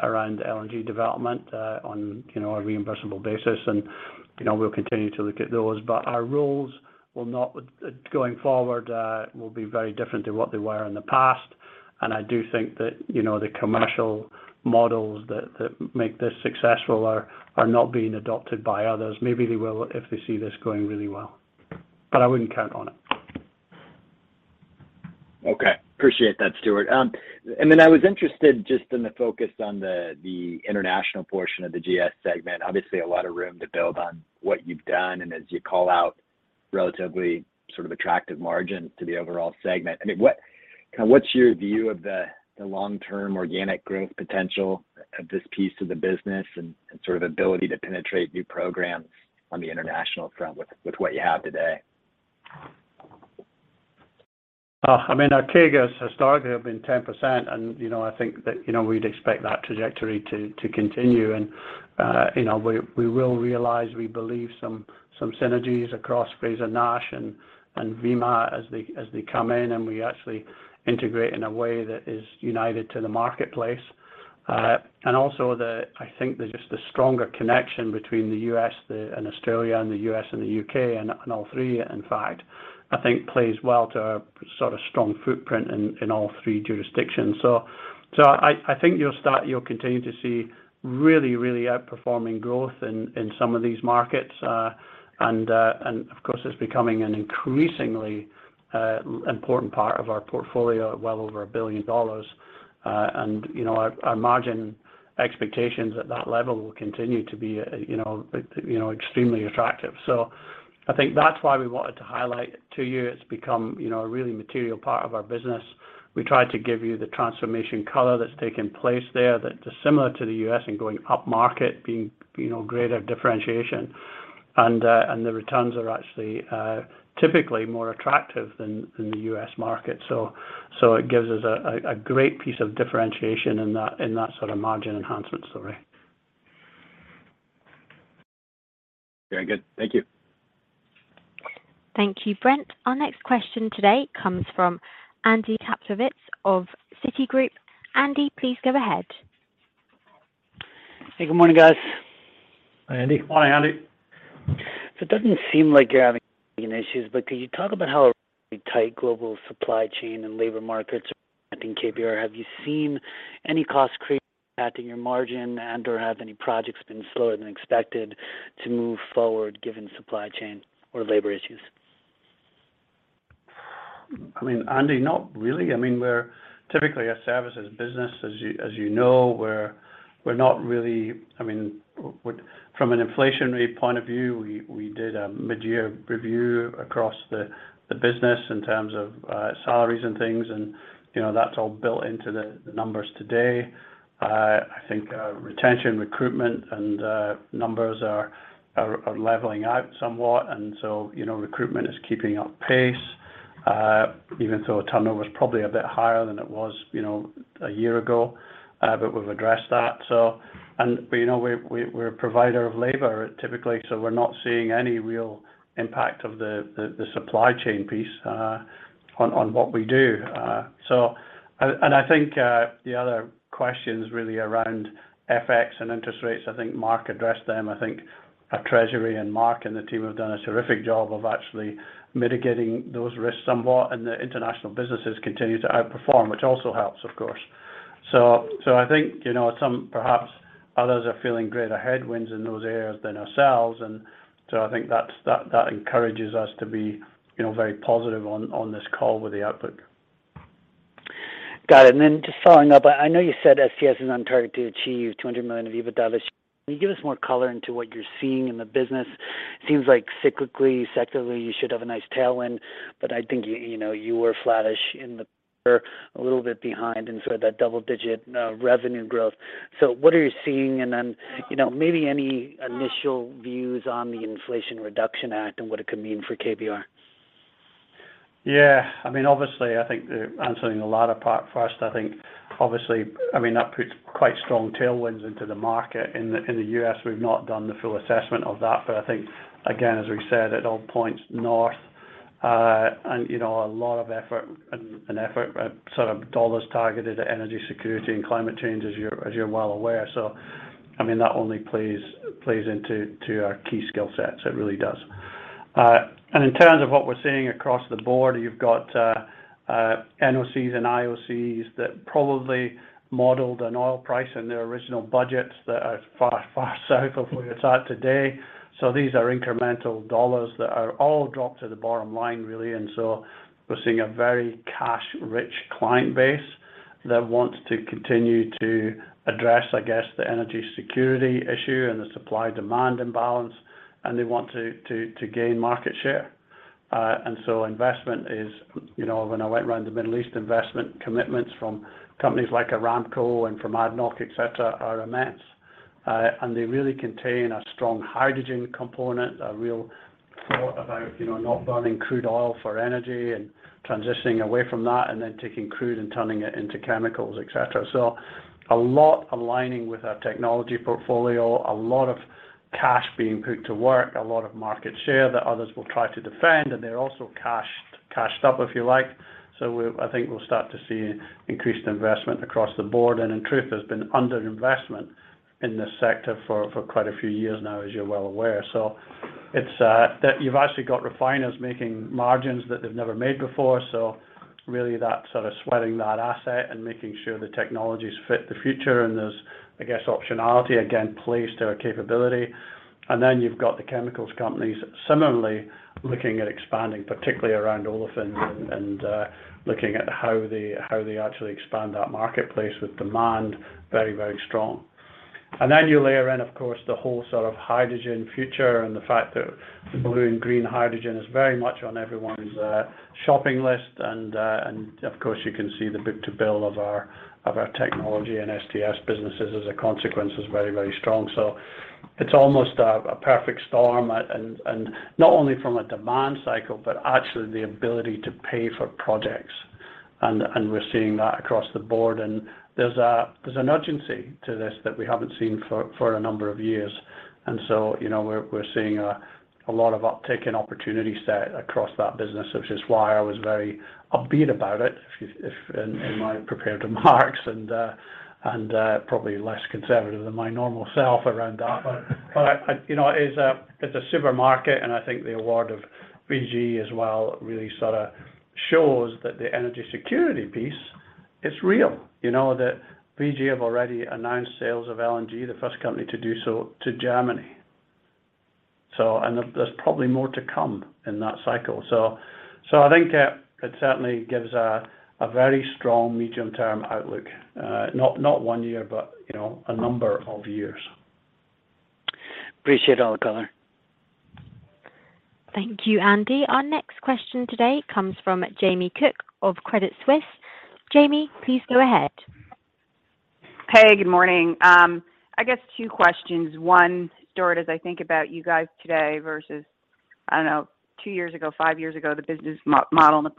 around LNG development, on you know, a reimbursable basis. You know, we'll continue to look at those. But our roles going forward will be very different to what they were in the past. I do think that you know, the commercial models that make this successful are not being adopted by others. Maybe they will if they see this going really well, but I wouldn't count on it. Okay. Appreciate that, Stuart. I was interested just in the focus on the international portion of the GS segment. Obviously, a lot of room to build on what you've done and as you call out relatively sort of attractive margins to the overall segment. I mean, kinda what's your view of the long-term organic growth potential of this piece of the business and sort of ability to penetrate new programs on the international front with what you have today? I mean, our CAGR has historically been 10%. You know, I think that, you know, we'd expect that trajectory to continue. You know, we will realize we believe some synergies across Frazer-Nash and VIMA as they come in, and we actually integrate in a way that is united to the marketplace. I think there's just the stronger connection between the U.S. and Australia and the U.S. and the U.K. and all three, in fact, I think plays well to our sort of strong footprint in all three jurisdictions. I think you'll continue to see really outperforming growth in some of these markets. Of course, it's becoming an increasingly important part of our portfolio, well over $1 billion. You know, our margin expectations at that level will continue to be you know, extremely attractive. I think that's why we wanted to highlight to you it's become you know, a really material part of our business. We tried to give you the transformation color that's taken place there that is similar to the U.S. and going upmarket, being you know, greater differentiation. The returns are actually typically more attractive than the U.S. market. It gives us a great piece of differentiation in that sort of margin enhancement story. Very good. Thank you. Thank you, Brent. Our next question today comes from Andy Kaplowitz of Citigroup. Andy, please go ahead. Hey, good morning, guys. Hi, Andy. Morning, Andy. It doesn't seem like you're having issues, but could you talk about how tight global supply chain and labor markets are impacting KBR? Have you seen any cost creep impacting your margin, and/or have any projects been slower than expected to move forward given supply chain or labor issues? I mean, Andy, not really. I mean, we're typically a services business, as you know, we're not really. I mean, from an inflationary point of view, we did a mid-year review across the business in terms of salaries and things, and you know, that's all built into the numbers today. I think retention, recruitment and numbers are leveling out somewhat, and so you know, recruitment is keeping pace, even though turnover is probably a bit higher than it was you know a year ago, but we've addressed that. You know, we're a provider of labor, typically, so we're not seeing any real impact of the supply chain piece on what we do. I think the other questions really around FX and interest rates. I think Mark addressed them. I think our treasury and Mark and the team have done a terrific job of actually mitigating those risks somewhat, and the international businesses continue to outperform, which also helps, of course. I think, you know, some perhaps others are feeling greater headwinds in those areas than ourselves. I think that encourages us to be, you know, very positive on this call with the outlook. Got it. Just following up, I know you said STS is on target to achieve $200 million of EBITDA this year. Can you give us more color into what you're seeing in the business? It seems like cyclically, sectorly, you should have a nice tailwind, but I think, you know, you were flattish in the quarter, a little bit behind in sort of that double-digit revenue growth. What are you seeing? You know, maybe any initial views on the Inflation Reduction Act and what it could mean for KBR. Yeah. I mean, obviously, that puts quite strong tailwinds into the market. In the U.S., we've not done the full assessment of that. I think, again, as we said, it all points north, and you know, a lot of effort and effort sort of dollars targeted at energy security and climate change, as you're well aware. I mean, that only plays into our key skill sets. It really does. In terms of what we're seeing across the board, you've got NOCs and IOCs that probably modeled an oil price in their original budgets that are far south of where it's at today. These are incremental dollars that are all dropped to the bottom line, really. We're seeing a very cash-rich client base that wants to continue to address, I guess, the energy security issue and the supply-demand imbalance, and they want to gain market share. Investment is, you know, when I went around the Middle East, investment commitments from companies like Aramco and from ADNOC, et cetera, are immense. They really contain a strong hydrogen component, a real thought about, you know, not burning crude oil for energy and transitioning away from that and then taking crude and turning it into chemicals, et cetera. A lot aligning with our technology portfolio, a lot of cash being put to work, a lot of market share that others will try to defend, and they're also cashed up, if you like. I think we'll start to see increased investment across the board. In truth, there's been under-investment in this sector for quite a few years now, as you're well aware. It's that you've actually got refiners making margins that they've never made before. Really that sort of sweating that asset and making sure the technologies fit the future and there's, I guess, optionality, again, plays to our capability. Then you've got the chemicals companies similarly looking at expanding, particularly around olefins and looking at how they actually expand that marketplace with demand very, very strong. Then you layer in, of course, the whole sort of hydrogen future and the fact that blue and green hydrogen is very much on everyone's shopping list. Of course, you can see the book-to-bill of our technology and STS businesses as a consequence is very, very strong. It's almost a perfect storm, and not only from a demand cycle, but actually the ability to pay for projects. We're seeing that across the board. There's an urgency to this that we haven't seen for a number of years. You know, we're seeing a lot of uptick in opportunity set across that business, which is why I was very upbeat about it in my prepared remarks and probably less conservative than my normal self around that. You know, it is a supermarket, and I think the award of VG as well really sorta shows that the energy security piece is real. You know, that VG have already announced sales of LNG, the first company to do so to Germany. There's probably more to come in that cycle. I think it certainly gives a very strong medium-term outlook, not one year, but you know, a number of years. Appreciate all the color. Thank you, Andy. Our next question today comes from Jamie Cook of Credit Suisse. Jamie, please go ahead. Hey, good morning. I guess two questions. One, Stuart, as I think about you guys today versus, I don't know, two years ago, five years ago, the business model and the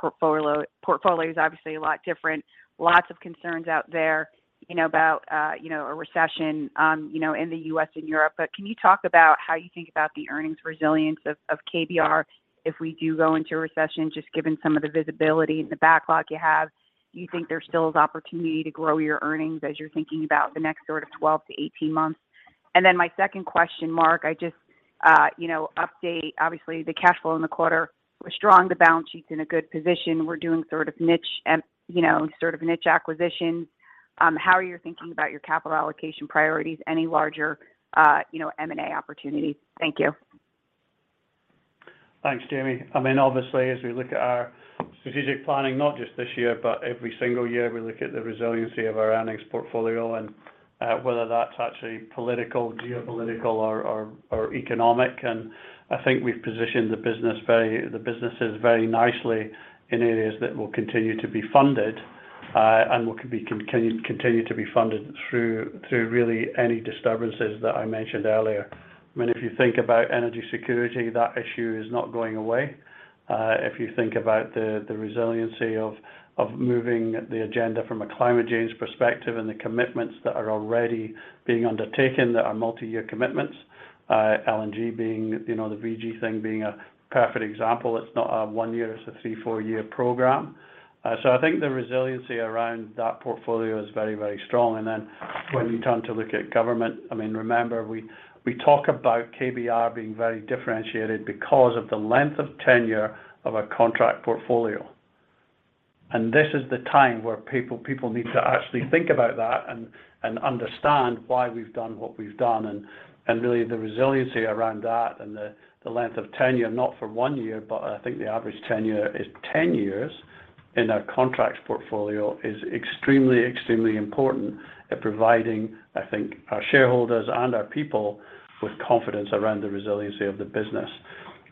portfolio is obviously a lot different. Lots of concerns out there, you know, about a recession, you know, in the U.S. and Europe. Can you talk about how you think about the earnings resilience of KBR if we do go into a recession, just given some of the visibility and the backlog you have? Do you think there still is opportunity to grow your earnings as you're thinking about the next sort of 12 to 18 months? Then my second question, Mark, I just update, obviously the cash flow in the quarter was strong, the balance sheet's in a good position. We're doing sort of niche and, you know, sort of niche acquisitions. How are you thinking about your capital allocation priorities? Any larger, you know, M&A opportunities? Thank you. Thanks, Jamie. I mean, obviously, as we look at our strategic planning, not just this year, but every single year, we look at the resiliency of our earnings portfolio and whether that's actually political, geopolitical or economic. I think we've positioned the businesses very nicely in areas that will continue to be funded and will continue to be funded through really any disturbances that I mentioned earlier. I mean, if you think about energy security, that issue is not going away. If you think about the resiliency of moving the agenda from a climate change perspective and the commitments that are already being undertaken that are multi-year commitments, LNG being, you know, the VG thing being a perfect example. It's not a one year, it's a three, four-year program. I think the resiliency around that portfolio is very, very strong. When you turn to look at Government, I mean, remember, we talk about KBR being very differentiated because of the length of tenure of our contract portfolio. This is the time where people need to actually think about that and understand why we've done what we've done and really the resiliency around that and the length of tenure, not for one year, but I think the average tenure is 10 years in our contracts portfolio is extremely important at providing, I think, our shareholders and our people with confidence around the resiliency of the business.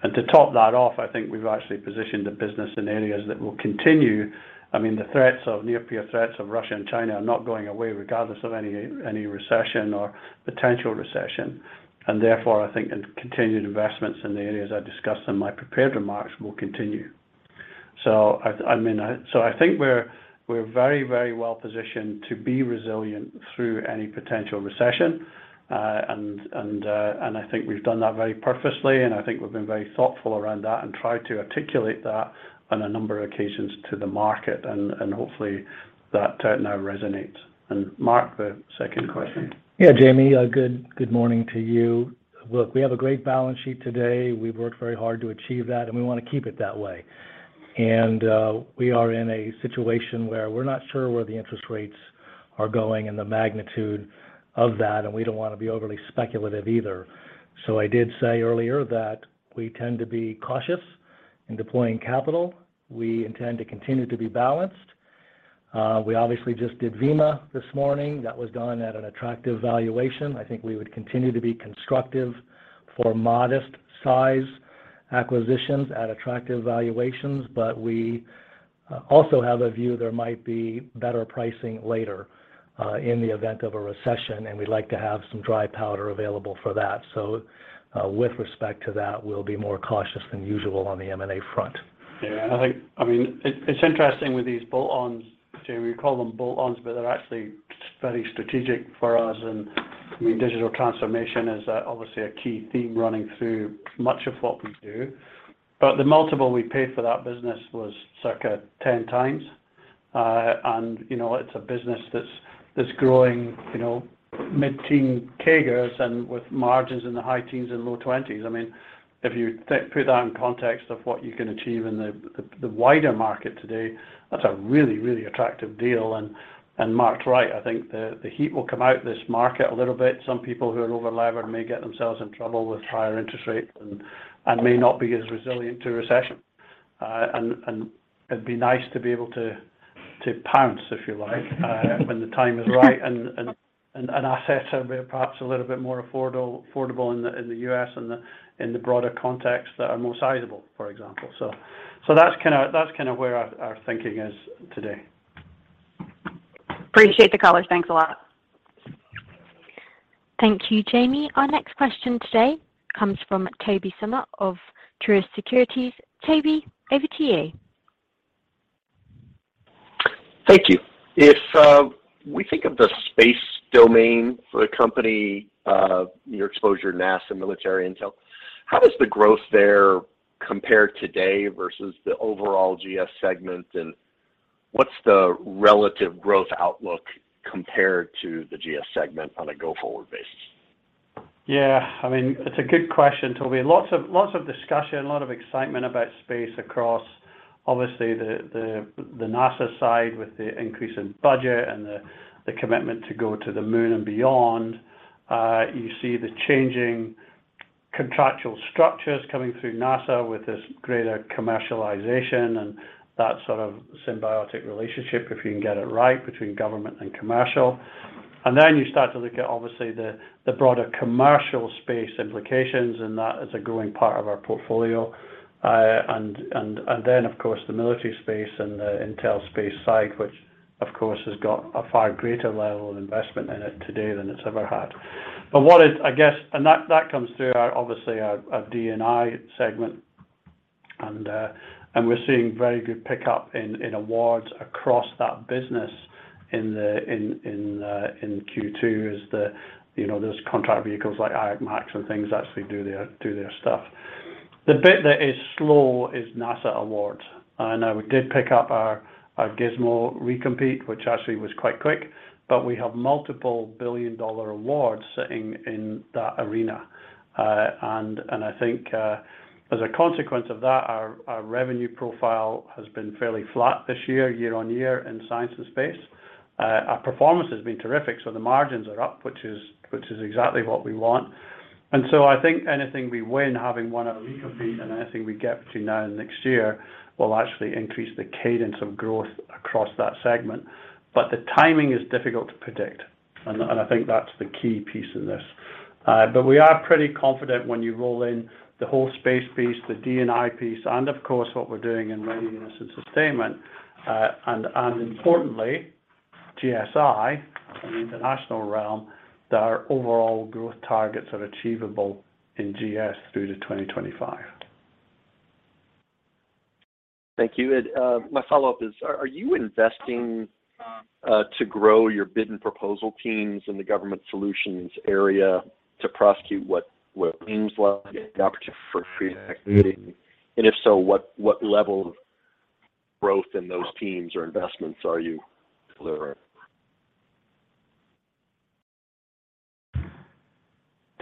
To top that off, I think we've actually positioned the business in areas that will continue. I mean, near-peer threats of Russia and China are not going away regardless of any recession or potential recession. Therefore, I think the continued investments in the areas I discussed in my prepared remarks will continue. I think we're very well positioned to be resilient through any potential recession. I think we've done that very purposely, and I think we've been very thoughtful around that and tried to articulate that on a number of occasions to the market, and hopefully that now resonates. Mark, the second question. Yeah, Jamie, good morning to you. Look, we have a great balance sheet today. We've worked very hard to achieve that, and we wanna keep it that way. We are in a situation where we're not sure where the interest rates are going and the magnitude of that, and we don't wanna be overly speculative either. I did say earlier that we tend to be cautious in deploying capital. We intend to continue to be balanced. We obviously just did VIMA this morning. That was done at an attractive valuation. I think we would continue to be constructive for modest size acquisitions at attractive valuations, but we also have a view there might be better pricing later, in the event of a recession, and we'd like to have some dry powder available for that. with respect to that, we'll be more cautious than usual on the M&A front. Yeah. I think, I mean, it's interesting with these bolt-ons, Jamie. We call them bolt-ons, but they're actually very strategic for us and, I mean, digital transformation is obviously a key theme running through much of what we do. The multiple we paid for that business was circa 10 times. And, you know, it's a business that's growing mid-teen CAGRs and with margins in the high teens and low 20s. I mean, if you put that in context of what you can achieve in the wider market today, that's a really, really attractive deal. And Mark's right. I think the heat will come out this market a little bit. Some people who are overleveraged may get themselves in trouble with higher interest rates and may not be as resilient to recession. It'd be nice to be able to pounce, if you like, when the time is right and assets are perhaps a little bit more affordable in the U.S. and in the broader context that are more sizable, for example. That's kinda where our thinking is today. Appreciate the color. Thanks a lot. Thank you, Jamie. Our next question today comes from Tobey Sommer of Truist Securities. Tobey, over to you. Thank you. If we think of the space domain for the company, your exposure to NASA and military intel, how does the growth there compare today versus the overall GS segment, and what's the relative growth outlook compared to the GS segment on a go-forward basis? Yeah, I mean, it's a good question, Tobey. Lots of discussion, a lot of excitement about space across obviously the NASA side with the increase in budget and the commitment to go to the moon and beyond. You see the changing contractual structures coming through NASA with this greater commercialization and that sort of symbiotic relationship, if you can get it right, between government and commercial. Then you start to look at obviously the broader commercial space implications, and that is a growing part of our portfolio. Then, of course, the military space and the intel space side, which of course has got a far greater level of investment in it today than it's ever had. That comes through our obviously our D&I segment. We're seeing very good pickup in awards across that business in Q2 as you know, those contract vehicles like IAC MACs and things actually do their stuff. The bit that is slow is NASA awards. I know we did pick up our GSMO recompete, which actually was quite quick, but we have multiple billion-dollar awards sitting in that arena. I think as a consequence of that, our revenue profile has been fairly flat this year-on-year in science and space. Our performance has been terrific, so the margins are up, which is exactly what we want. I think anything we win, having won a recompete and anything we get between now and next year will actually increase the cadence of growth across that segment. The timing is difficult to predict, and I think that's the key piece in this. We are pretty confident when you roll in the whole space piece, the D&I piece, and of course, what we're doing in readiness and sustainment, and importantly, GSI in the international realm that our overall growth targets are achievable in GS through to 2025. Thank you. My follow-up is, are you investing to grow your bid and proposal teams in the Government Solutions area to prosecute what seems like an opportunity for fee activity? If so, what level of growth in those teams or investments are you delivering?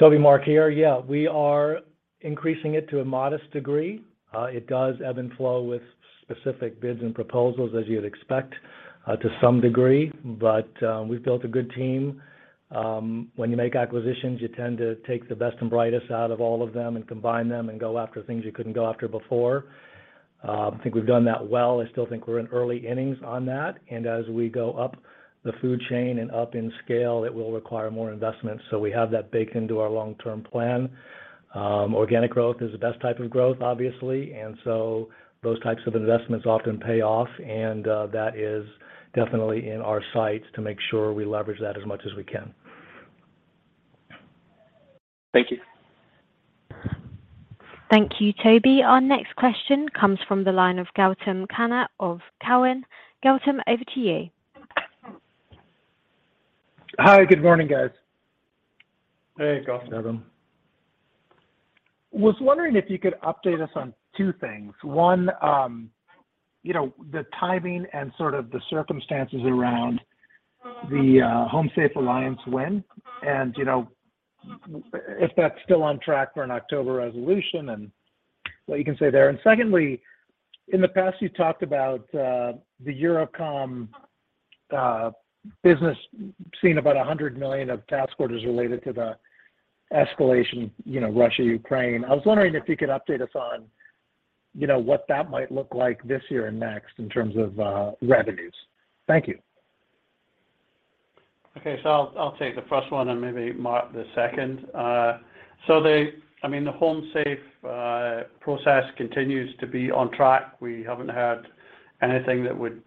Tobey, Mark here. Yeah, we are increasing it to a modest degree. It does ebb and flow with specific bids and proposals, as you'd expect, to some degree. We've built a good team. When you make acquisitions, you tend to take the best and brightest out of all of them and combine them and go after things you couldn't go after before. I think we've done that well. I still think we're in early innings on that. As we go up the food chain and up in scale, it will require more investment. We have that baked into our long-term plan. Organic growth is the best type of growth, obviously. Those types of investments often pay off, and that is definitely in our sights to make sure we leverage that as much as we can. Thank you. Thank you, Tobey. Our next question comes from the line of Gautam Khanna of Cowen. Gautam, over to you. Hi. Good morning, guys. Hey, Gautam. Gautam. Was wondering if you could update us on two things. One, you know, the timing and sort of the circumstances around the HomeSafe Alliance win and, you know, if that's still on track for an October resolution and what you can say there. Secondly, in the past, you talked about the EUCOM business seeing about $100 million of task orders related to the escalation, you know, Russia, Ukraine. I was wondering if you could update us on, you know, what that might look like this year and next in terms of revenues. Thank you. Okay. I'll take the first one and maybe Mark the second. I mean, the HomeSafe process continues to be on track. We haven't had anything that would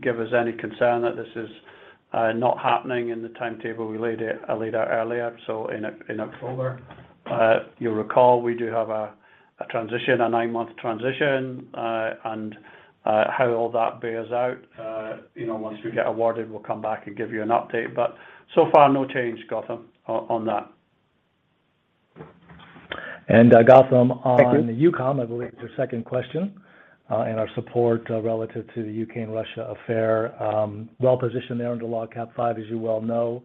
give us any concern that this is not happening in the timetable we laid out earlier, so in October. You'll recall we do have a nine-month transition, and how all that bears out, you know, once we get awarded, we'll come back and give you an update. But so far, no change, Gautam, on that. Gautam, on- Thank you. ...EUCOM, I believe it's your second question, and our support relative to the Ukraine-Russia affair, well positioned there under LOGCAP V, as you well know.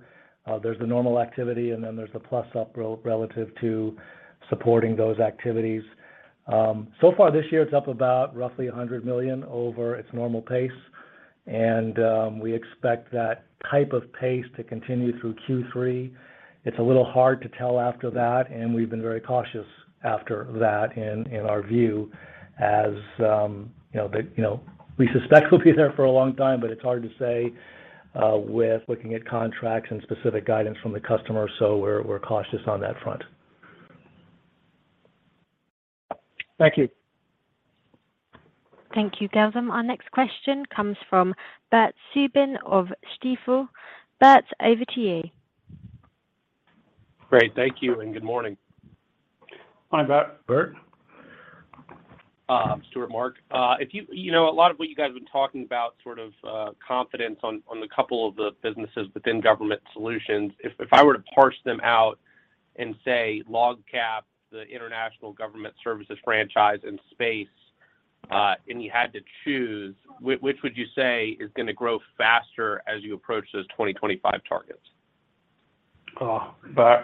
There's the normal activity, and then there's the plus-up growth relative to supporting those activities. So far this year, it's up about roughly $100 million over its normal pace, and we expect that type of pace to continue through Q3. It's a little hard to tell after that, and we've been very cautious after that in our view as, you know, the, you know. We suspect we'll be there for a long time, but it's hard to say with looking at contracts and specific guidance from the customer. We're cautious on that front. Thank you. Thank you, Gautam. Our next question comes from Bert Subin of Stifel. Bert, over to you. Great. Thank you, and good morning. Hi, Bert. Bert. Stuart, Mark. If you know, a lot of what you guys have been talking about sort of confidence on the couple of the businesses within Government Solutions, if I were to parse them out in, say, LOGCAP, the international government services franchise and space, and you had to choose, which would you say is gonna grow faster as you approach those 2025 targets? Oh, Bert,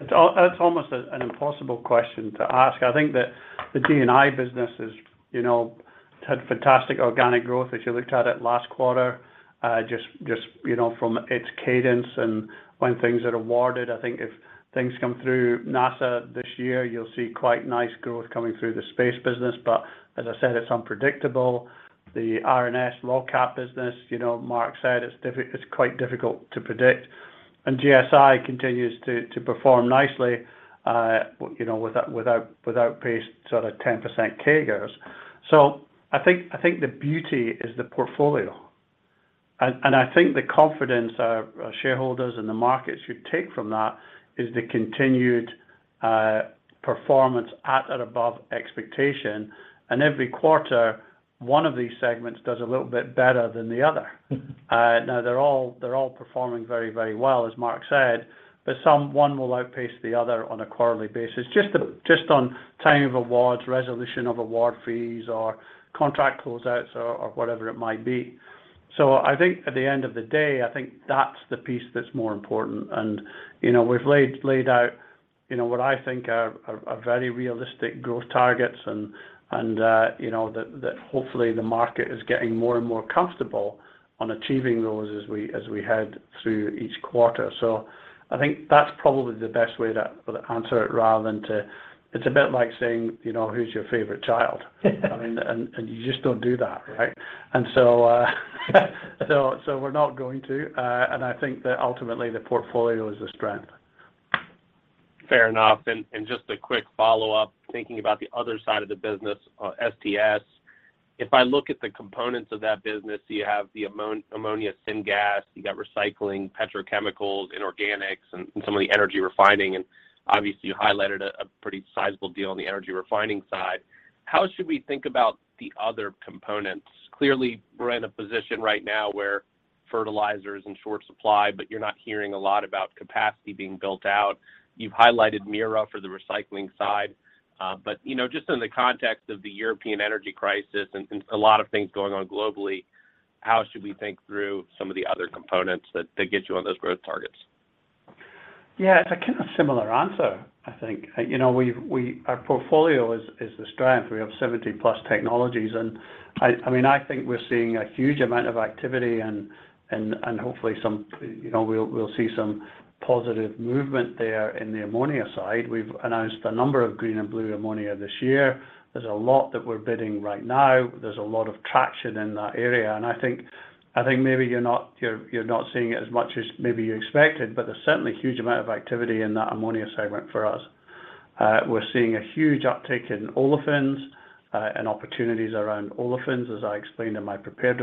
that's almost an impossible question to ask. I think that the D&I business, you know, had fantastic organic growth as you looked at it last quarter, just, you know, from its cadence and when things are awarded. I think if things come through NASA this year, you'll see quite nice growth coming through the space business. As I said, it's unpredictable. The R&S LOGCAP business, you know, Mark said, it's quite difficult to predict. GSI continues to perform nicely, you know, without pace sort of 10% CAGRs. I think the beauty is the portfolio. I think the confidence our shareholders and the market should take from that is the continued performance at and above expectation. Every quarter, one of these segments does a little bit better than the other. Now they're all performing very, very well, as Mark said, but some one will outpace the other on a quarterly basis, just on timing of awards, resolution of award fees or contract close outs or whatever it might be. I think at the end of the day, I think that's the piece that's more important. You know, we've laid out, you know, what I think are very realistic growth targets and, you know, that hopefully the market is getting more and more comfortable on achieving those as we head through each quarter. I think that's probably the best way to answer it rather than. It's a bit like saying, you know, who's your favorite child? I mean, and you just don't do that, right? So we're not going to. I think that ultimately the portfolio is the strength. Fair enough. Just a quick follow-up, thinking about the other side of the business, STS. If I look at the components of that business, you have the ammonia, syngas, you got recycling, petrochemicals, inorganics, and some of the energy refining, and obviously you highlighted a pretty sizable deal on the energy refining side. How should we think about the other components? Clearly, we're in a position right now where fertilizer is in short supply, but you're not hearing a lot about capacity being built out. You've highlighted Mura for the recycling side. But you know, just in the context of the European energy crisis and a lot of things going on globally, how should we think through some of the other components that get you on those growth targets? Yeah. It's a kinda similar answer, I think. You know, our portfolio is the strength. We have 70+ technologies and, I mean, I think we're seeing a huge amount of activity and hopefully some, you know, we'll see some positive movement there in the ammonia side. We've announced a number of green and blue ammonia this year. There's a lot that we're bidding right now. There's a lot of traction in that area, and I think maybe you're not seeing it as much as maybe you expected, but there's certainly a huge amount of activity in that ammonia segment for us. We're seeing a huge uptick in olefins and opportunities around olefins, as I explained in my prepared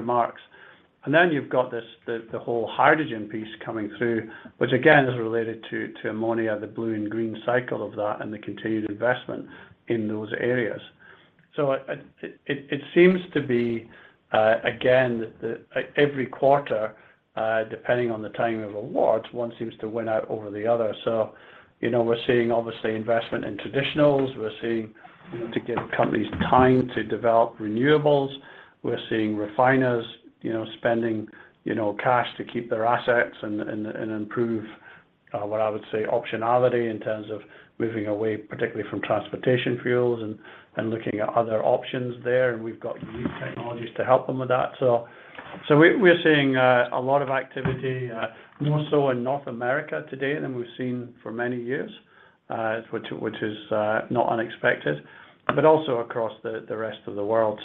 remarks. You've got this, the whole hydrogen piece coming through, which again, is related to ammonia, the blue and green cycle of that, and the continued investment in those areas. It seems to be, again, every quarter, depending on the timing of awards, one seems to win out over the other. You know, we're seeing obviously investment in traditionals. We're seeing, you know, to give companies time to develop renewables. We're seeing refiners, you know, spending, you know, cash to keep their assets and improve what I would say optionality in terms of moving away, particularly from transportation fuels and looking at other options there, and we've got unique technologies to help them with that. We're seeing a lot of activity, more so in North America today than we've seen for many years, which is not unexpected, but also across the rest of the world.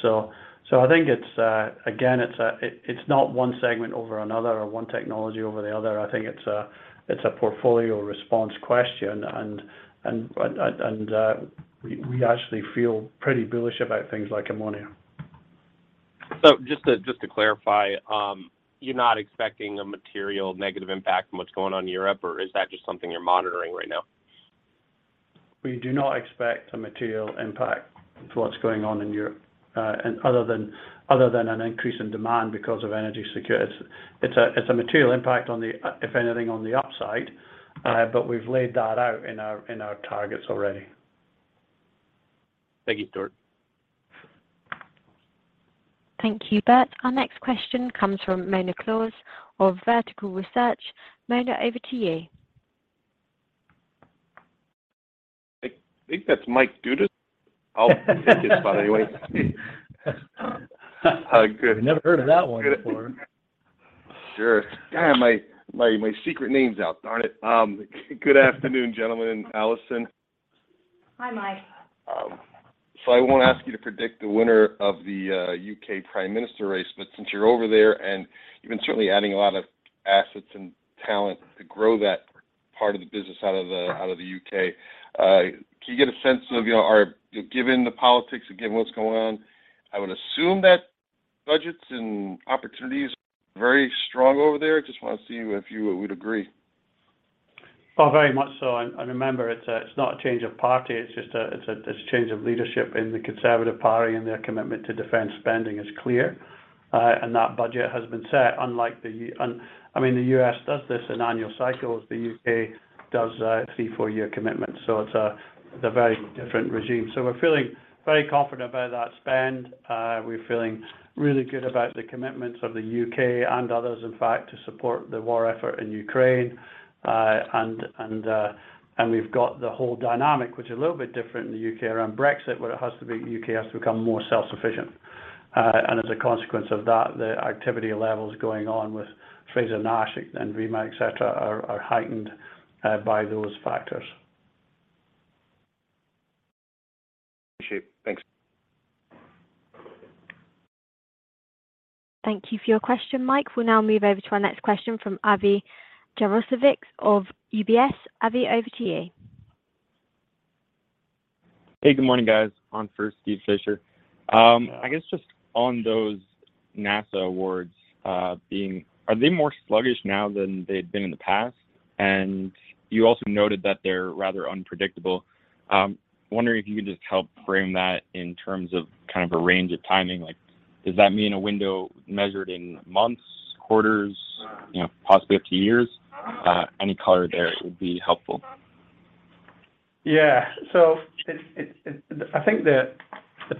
I think it's, again, it's not one segment over another or one technology over the other. I think it's a portfolio response question and we actually feel pretty bullish about things like ammonia. Just to clarify, you're not expecting a material negative impact from what's going on in Europe, or is that just something you're monitoring right now? We do not expect a material impact to what's going on in Europe, other than an increase in demand because of energy security. It's a material impact, if anything, on the upside, but we've laid that out in our targets already. Thank you, Stuart. Thank you, Bert. Our next question comes from <inaudible> of Vertical Research Partners. <inaudible> over to you. I think that's Mike Dudas. I'll take his spot anyways. Never heard of that one before. Sure. Damn, my secret name's out, darn it. Good afternoon, gentlemen and Alison. Hi, Mike. I won't ask you to predict the winner of the U.K. Prime Minister race, but since you're over there and you've been certainly adding a lot of assets and talent to grow that part of the business out of the U.K., can you get a sense of, you know, you know, given the politics, again, what's going on? I would assume that budgets and opportunities are very strong over there. Just wanna see if you would agree. Oh, very much so. Remember, it's not a change of party. It's just a change of leadership in the Conservative Party, and their commitment to defense spending is clear. That budget has been set. The U.S. does this in annual cycles. The U.K. does a three- or four-year commitment. It's a very different regime. We're feeling very confident about that spend. We're feeling really good about the commitments of the U.K. and others, in fact, to support the war effort in Ukraine. We've got the whole dynamic, which is a little bit different in the U.K. around Brexit, where the U.K. has to become more self-sufficient. As a consequence of that, the activity levels going on with Frazer-Nash Consultancy and VIMA, et cetera, are heightened by those factors. Appreciate it. Thanks. Thank you for your question, Mike. We'll now move over to our next question from Avi Jaroslawicz of UBS. Avi, over to you. Hey, good morning, guys. On for Steve Fisher. I guess just on those NASA awards, are they more sluggish now than they'd been in the past? You also noted that they're rather unpredictable. Wondering if you could just help frame that in terms of kind of a range of timing. Like, does that mean a window measured in months, quarters, you know, possibly up to years? Any color there would be helpful. Yeah. I think the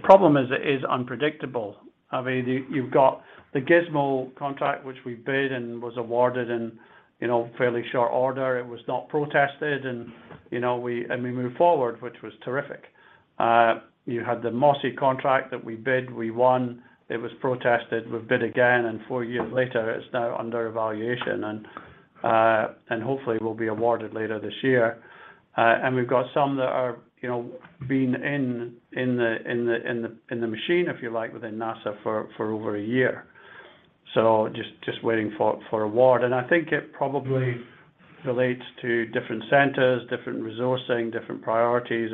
problem is unpredictable. I mean, you've got the GSMO contract, which we bid and was awarded in, you know, fairly short order. It was not protested and, you know, we moved forward, which was terrific. You had the MSOC contract that we bid. We won. It was protested. We bid again, and four years later, it's now under evaluation and hopefully will be awarded later this year. And we've got some that are, you know, been in the machine, if you like, within NASA for over a year. Just waiting for award. I think it probably relates to different centers, different resourcing, different priorities.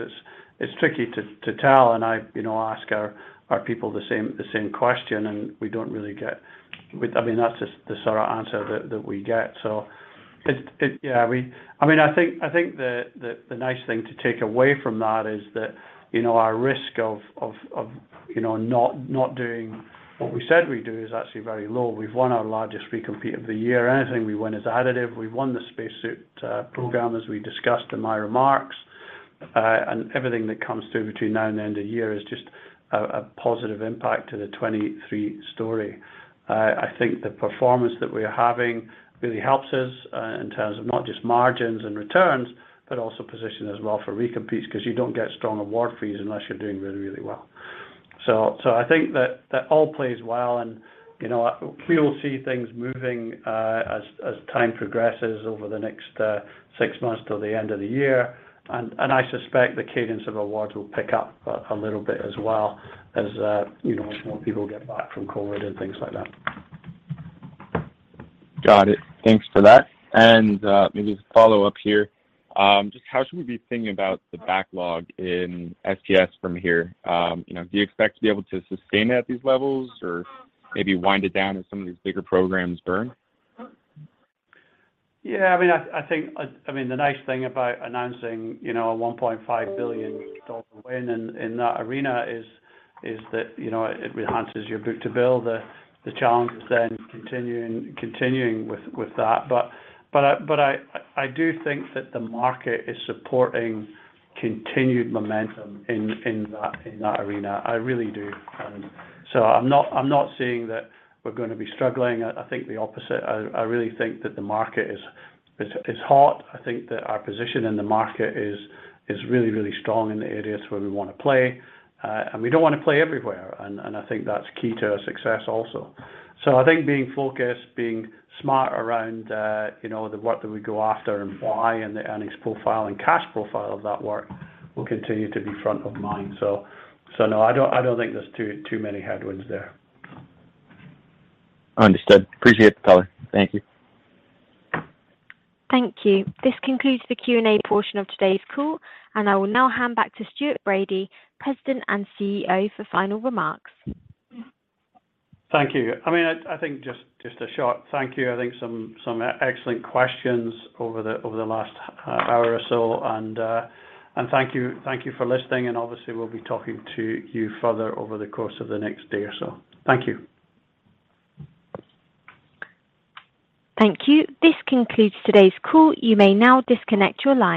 It's tricky to tell. I, you know, ask our people the same question and we don't really get. I mean, that's just the sort of answer that we get, Avi. I mean, I think the nice thing to take away from that is that, you know, our risk of, you know, not doing what we said we'd do is actually very low. We've won our largest recompete of the year. Anything we win is additive. We've won the spacesuit program, as we discussed in my remarks. Everything that comes through between now and the end of the year is just a positive impact to the 2023 story. I think the performance that we are having really helps us, in terms of not just margins and returns, but also position as well for recompetes, 'cause you don't get strong award fees unless you're doing really, really well. I think that all plays well and, you know, we will see things moving, as time progresses over the next six months till the end of the year. I suspect the cadence of awards will pick up a little bit as well as, you know, more people get back from COVID and things like that. Got it. Thanks for that. Maybe just a follow-up here. Just how should we be thinking about the backlog in STS from here? You know, do you expect to be able to sustain it at these levels or maybe wind it down as some of these bigger programs burn? Yeah, I mean, I think, I mean, the nice thing about announcing, you know, a $1.5 billion win in that arena is that, you know, it enhances your book-to-bill. The challenge is then continuing with that. But I do think that the market is supporting continued momentum in that arena. I really do. So I'm not saying that we're gonna be struggling. I think the opposite. I really think that the market is hot. I think that our position in the market is really strong in the areas where we wanna play. We don't wanna play everywhere, and I think that's key to our success also. I think being focused, being smart around, you know, the work that we go after and why and the earnings profile and cash profile of that work will continue to be front of mind. No, I don't think there's too many headwinds there. Understood. Appreciate the color. Thank you. Thank you. This concludes the Q&A portion of today's call, and I will now hand back to Stuart Bradie, President and CEO, for final remarks. Thank you. I mean, I think just a short thank you. I think some excellent questions over the last hour or so. Thank you for listening, and obviously, we'll be talking to you further over the course of the next day or so. Thank you. Thank you. This concludes today's call. You may now disconnect your line.